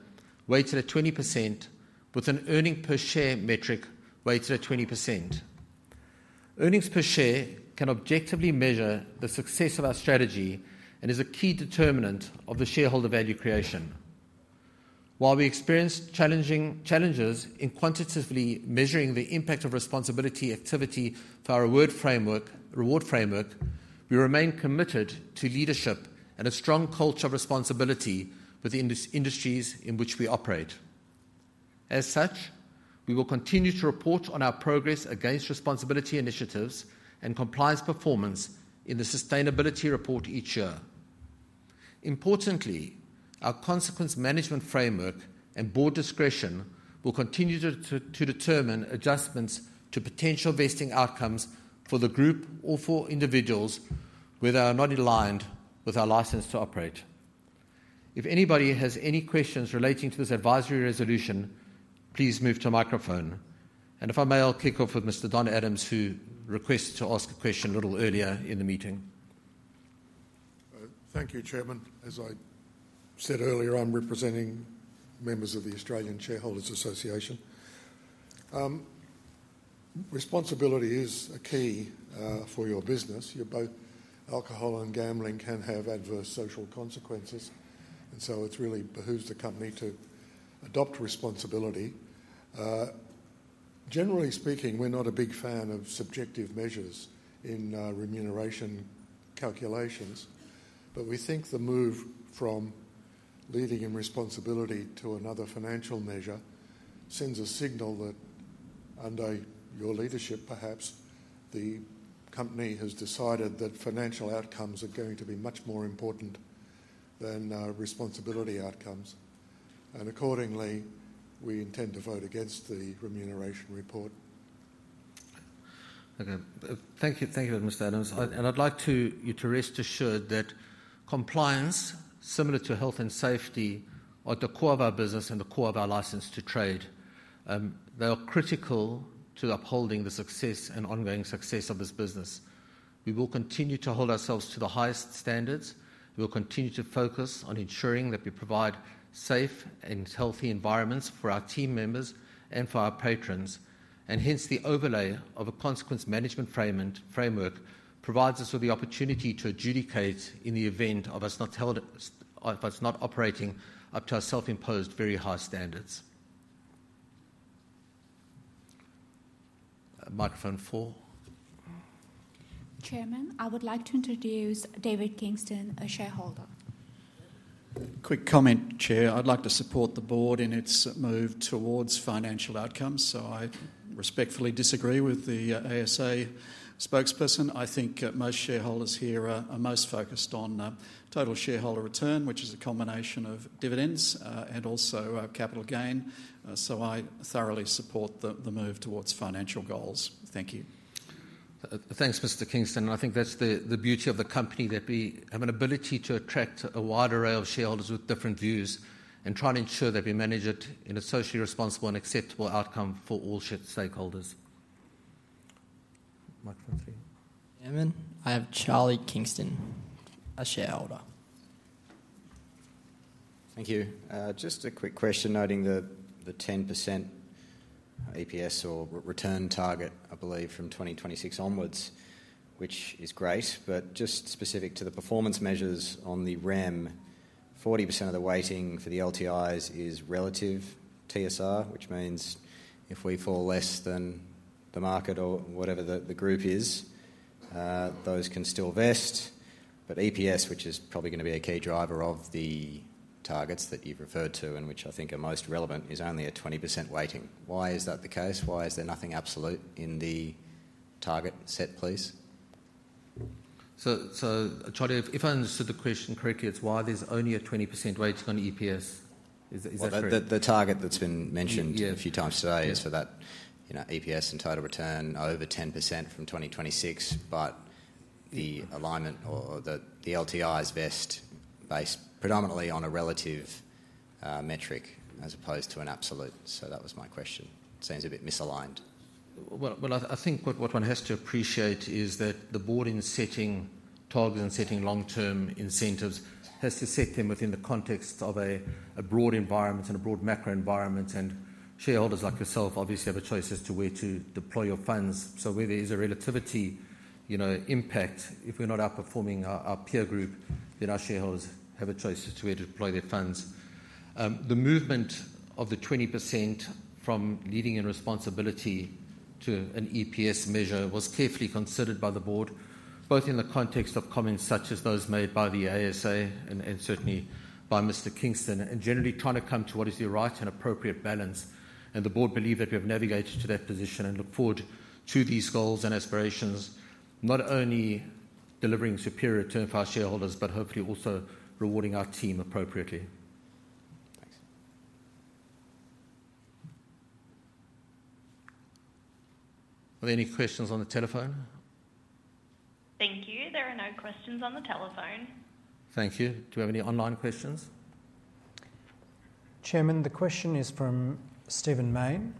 weighted at 20% with an earnings per share metric weighted at 20%. Earnings per share can objectively measure the success of our strategy and is a key determinant of the shareholder value creation. While we experience challenges in quantitatively measuring the impact of responsibility activity for our reward framework, we remain committed to leadership and a strong culture of responsibility for the industries in which we operate. As such, we will continue to report on our progress against responsibility initiatives and compliance performance in the sustainability report each year. Importantly, our consequence management framework and board discretion will continue to determine adjustments to potential vesting outcomes for the group or for individuals where they are not aligned with our license to operate. If anybody has any questions relating to this advisory resolution, please move to microphone, and if I may, I'll kick off with Mr. Don Adams, who requested to ask a question a little earlier in the meeting. Thank you, Chairman. As I said earlier, I'm representing members of the Australian Shareholders Association. Responsibility is a key for your business. You're both alcohol and gambling can have adverse social consequences, and so it's really behooves the company to adopt responsibility. Generally speaking, we're not a big fan of subjective measures in remuneration calculations, but we think the move from leading and responsibility to another financial measure sends a signal that under your leadership, perhaps, the company has decided that financial outcomes are going to be much more important than responsibility outcomes, and accordingly, we intend to vote against the remuneration report. Okay. Thank you, Mr. Adams. And I'd like you to rest assured that compliance, similar to health and safety, are the core of our business and the core of our license to trade. They are critical to upholding the success and ongoing success of this business. We will continue to hold ourselves to the highest standards. We will continue to focus on ensuring that we provide safe and healthy environments for our team members and for our patrons. And hence, the overlay of a consequence management framework provides us with the opportunity to adjudicate in the event of us not operating up to our self-imposed very high standards. Microphone four. Chairman, I would like to introduce David Kingston, a shareholder. Quick comment, Chair. I'd like to support the board in its move towards financial outcomes. So I respectfully disagree with the ASA spokesperson. I think most shareholders here are most focused on total shareholder return, which is a combination of dividends and also capital gain. So I thoroughly support the move towards financial goals. Thank you. Thanks, Mr. Kingston. And I think that's the beauty of the company, that we have an ability to attract a wide array of shareholders with different views and try to ensure that we manage it in a socially responsible and acceptable outcome for all shareholders. Chairman, I have Charlie Kingston, a shareholder. Thank you. Just a quick question noting the 10% EPS or return target, I believe, from 2026 onwards, which is great. But just specific to the performance measures on the REM, 40% of the weighting for the LTIs is relative TSR, which means if we fall less than the market or whatever the group is, those can still vest. But EPS, which is probably going to be a key driver of the targets that you've referred to and which I think are most relevant, is only a 20% weighting. Why is that the case? Why is there nothing absolute in the target set, please? So Charlie, if I understood the question correctly, it's why there's only a 20% weighting on EPS? Is that correct? The target that's been mentioned a few times today is for that EPS and total return over 10% from 2026, but the alignment or the LTIs vest based predominantly on a relative metric as opposed to an absolute. So that was my question. It seems a bit misaligned. I think what one has to appreciate is that the board in setting targets and setting long-term incentives has to set them within the context of a broad environment and a broad macro environment. Shareholders like yourself obviously have a choice as to where to deploy your funds. Where there is a relativity impact, if we're not outperforming our peer group, then our shareholders have a choice as to where to deploy their funds. The movement of the 20% from Leading in Responsibility to an EPS measure was carefully considered by the board, both in the context of comments such as those made by the ASA and certainly by Mr. Kingston, and generally trying to come to what is the right and appropriate balance. And the board believes that we have navigated to that position and look forward to these goals and aspirations, not only delivering superior return for our shareholders, but hopefully also rewarding our team appropriately. Are there any questions on the telephone? Thank you. There are no questions on the telephone. Thank you. Do we have any online questions? Chairman, the question is from Stephen Mayne.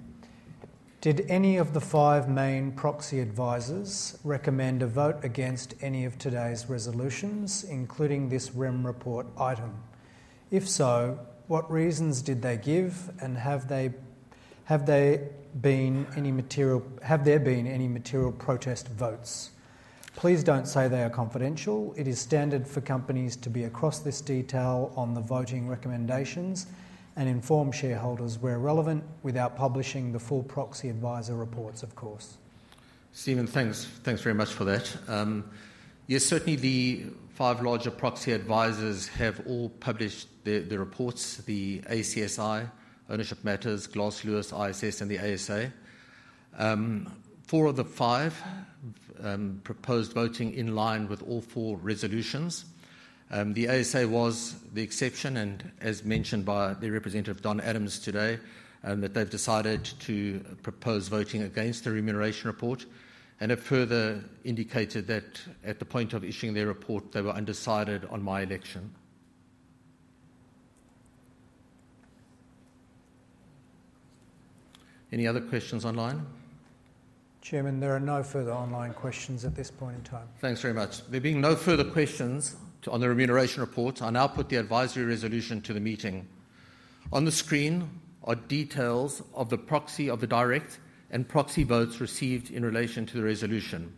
Did any of the five main proxy advisors recommend a vote against any of today's resolutions, including this remuneration report item? If so, what reasons did they give, and have there been any material protest votes? Please don't say they are confidential. It is standard for companies to be across this detail on the voting recommendations and inform shareholders where relevant without publishing the full proxy advisor reports, of course. Stephen, thanks very much for that. Yes, certainly the five larger proxy advisors have all published the reports, the ACSI, Ownership Matters, Glass Lewis, ISS, and the ASA. Four of the five proposed voting in line with all four resolutions. The ASA was the exception, and as mentioned by the representative Don Adams today, that they've decided to propose voting against the remuneration report. And it further indicated that at the point of issuing their report, they were undecided on my election. Any other questions online? Chairman, there are no further online questions at this point in time. Thanks very much. There being no further questions on the remuneration report, I now put the advisory resolution to the meeting. On the screen are details of the proxy of the direct and proxy votes received in relation to the resolution.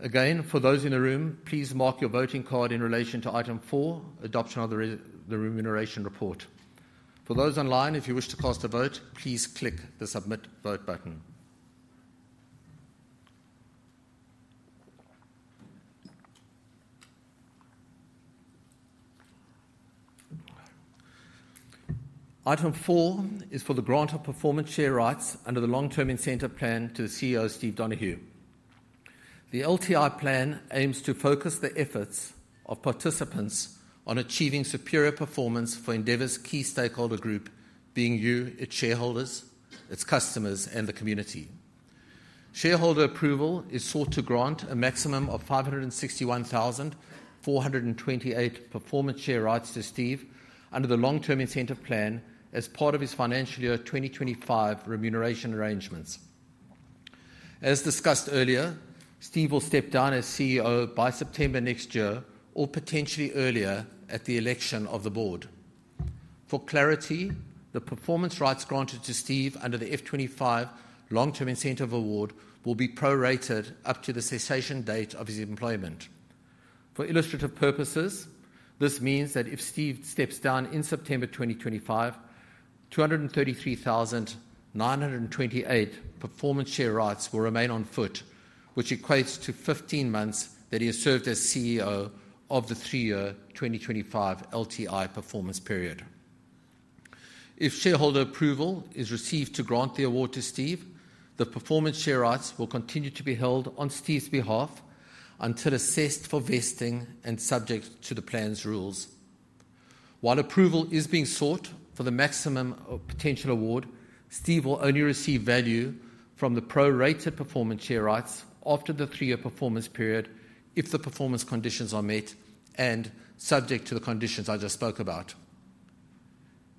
Again, for those in the room, please mark your voting card in relation to item four, adoption of the remuneration report. For those online, if you wish to cast a vote, please click the submit vote button. Item four is for the grant of performance share rights under the long-term incentive plan to the CEO, Steve Donohue. The LTI plan aims to focus the efforts of participants on achieving superior performance for Endeavour's key stakeholder group, being you, its shareholders, its customers, and the community. Shareholder approval is sought to grant a maximum of 561,428 performance share rights to Steve under the long-term incentive plan as part of his financial year 2025 remuneration arrangements. As discussed earlier, Steve will step down as CEO by September next year or potentially earlier at the election of the board. For clarity, the performance rights granted to Steve under the F25 long-term incentive award will be prorated up to the cessation date of his employment. For illustrative purposes, this means that if Steve steps down in September 2025, 233,928 performance share rights will remain on foot, which equates to 15 months that he has served as CEO of the three-year 2025 LTI performance period. If shareholder approval is received to grant the award to Steve, the performance share rights will continue to be held on Steve's behalf until assessed for vesting and subject to the plan's rules. While approval is being sought for the maximum potential award, Steve will only receive value from the prorated performance share rights after the three-year performance period if the performance conditions are met and subject to the conditions I just spoke about.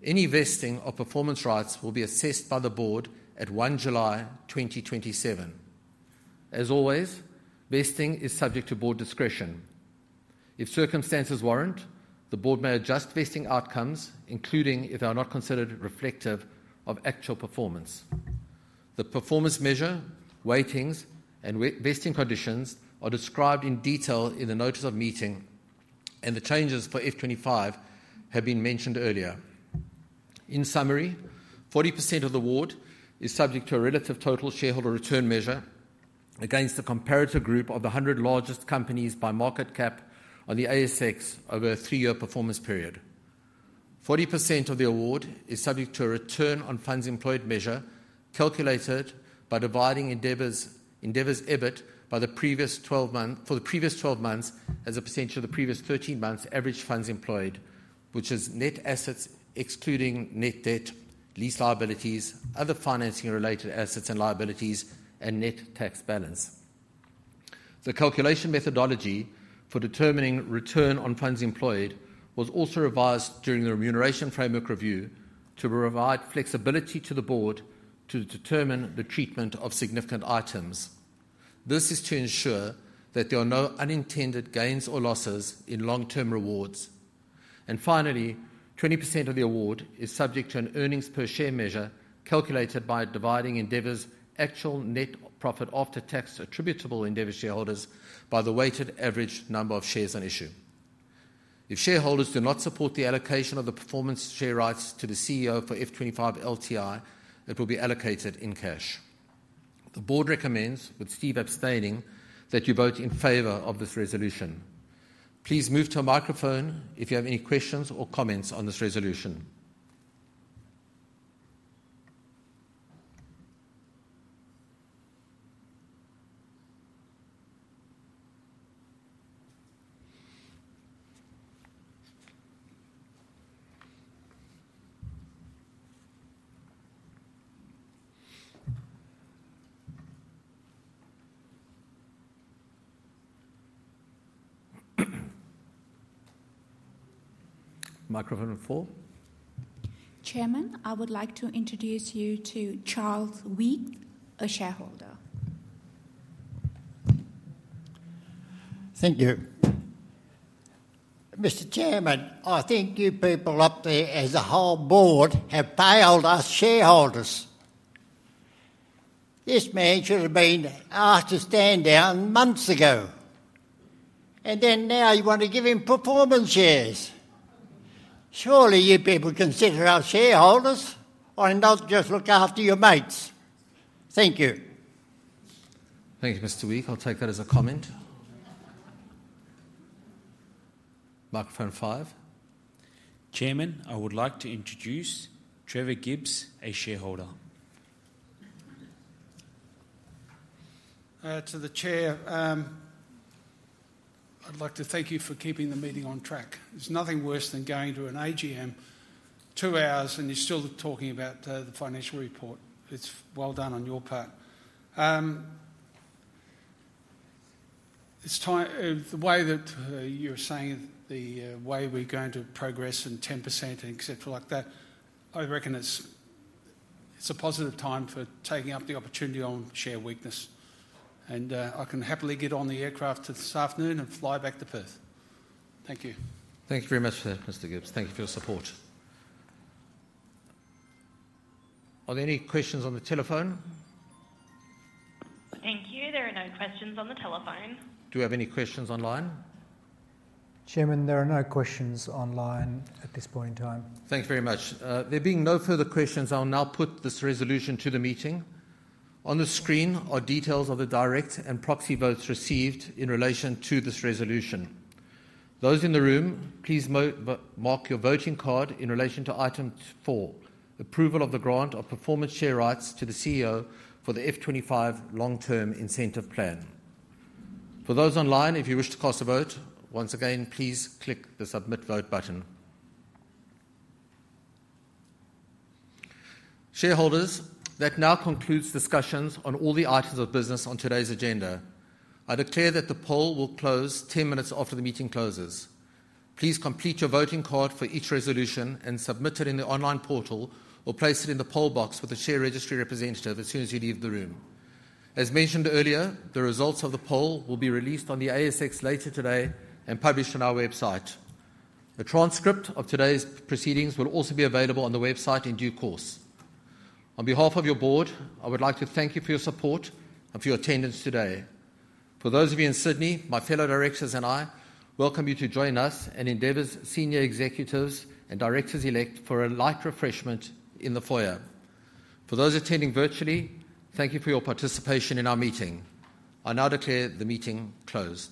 Any vesting of performance rights will be assessed by the board at July 1 2027. As always, vesting is subject to board discretion. If circumstances warrant, the board may adjust vesting outcomes, including if they are not considered reflective of actual performance. The performance measure, weightings, and vesting conditions are described in detail in the notice of meeting, and the changes for F25 have been mentioned earlier. In summary, 40% of the award is subject to a relative total shareholder return measure against the comparator group of the 100 largest companies by market cap on the ASX over a three-year performance period. 40% of the award is subject to a return on funds employed measure calculated by dividing Endeavour's EBIT for the previous 12 months as a percentage of the previous 13 months' average funds employed, which is net assets excluding net debt, lease liabilities, other financing-related assets and liabilities, and net tax balance. The calculation methodology for determining return on funds employed was also revised during the remuneration framework review to provide flexibility to the board to determine the treatment of significant items. This is to ensure that there are no unintended gains or losses in long-term rewards. And finally, 20% of the award is subject to an earnings per share measure calculated by dividing Endeavour's actual net profit after tax attributable to Endeavour shareholders by the weighted average number of shares on issue. If shareholders do not support the allocation of the performance share rights to the CEO for F25 LTI, it will be allocated in cash. The board recommends, with Steve abstaining, that you vote in favor of this resolution. Please move to a microphone if you have any questions or comments on this resolution. Microphone four. Chairman, I would like to introduce you to Charles Wee, a shareholder. Thank you. Mr. Chairman, I think you people up there as a whole board have failed our shareholders. This man should have been asked to stand down months ago. And then now you want to give him performance shares. Surely you people consider our shareholders or not just look after your mates? Thank you. Thank you, Mr. Wee. I'll take that as a comment. Microphone five. Chairman, I would like to introduce Trevor Gibbs, a shareholder. To the chair, I'd like to thank you for keeping the meeting on track. There's nothing worse than going to an AGM two hours and you're still talking about the financial report. It's well done on your part. The way that you're saying the way we're going to progress in 10% and except for like that, I reckon it's a positive time for taking up the opportunity on share weakness, and I can happily get on the aircraft this afternoon and fly back to Perth. Thank you. Thank you very much for that, Mr. Gibbs. Thank you for your support. Are there any questions on the telephone? Thank you. There are no questions on the telephone. Do we have any questions online? Chairman, there are no questions online at this point in time. Thank you very much. There being no further questions, I'll now put this resolution to the meeting. On the screen are details of the direct and proxy votes received in relation to this resolution. Those in the room, please mark your voting card in relation to item four, approval of the grant of performance share rights to the CEO for the F25 long-term incentive plan. For those online, if you wish to cast a vote, once again, please click the submit vote button. Shareholders, that now concludes discussions on all the items of business on today's agenda. I declare that the poll will close 10 minutes after the meeting closes. Please complete your voting card for each resolution and submit it in the online portal or place it in the poll box with the share registry representative as soon as you leave the room. As mentioned earlier, the results of the poll will be released on the ASX later today and published on our website. The transcript of today's proceedings will also be available on the website in due course. On behalf of your board, I would like to thank you for your support and for your attendance today. For those of you in Sydney, my fellow directors and I welcome you to join us and Endeavour's senior executives and directors-elect for a light refreshment in the foyer. For those attending virtually, thank you for your participation in our meeting. I now declare the meeting closed.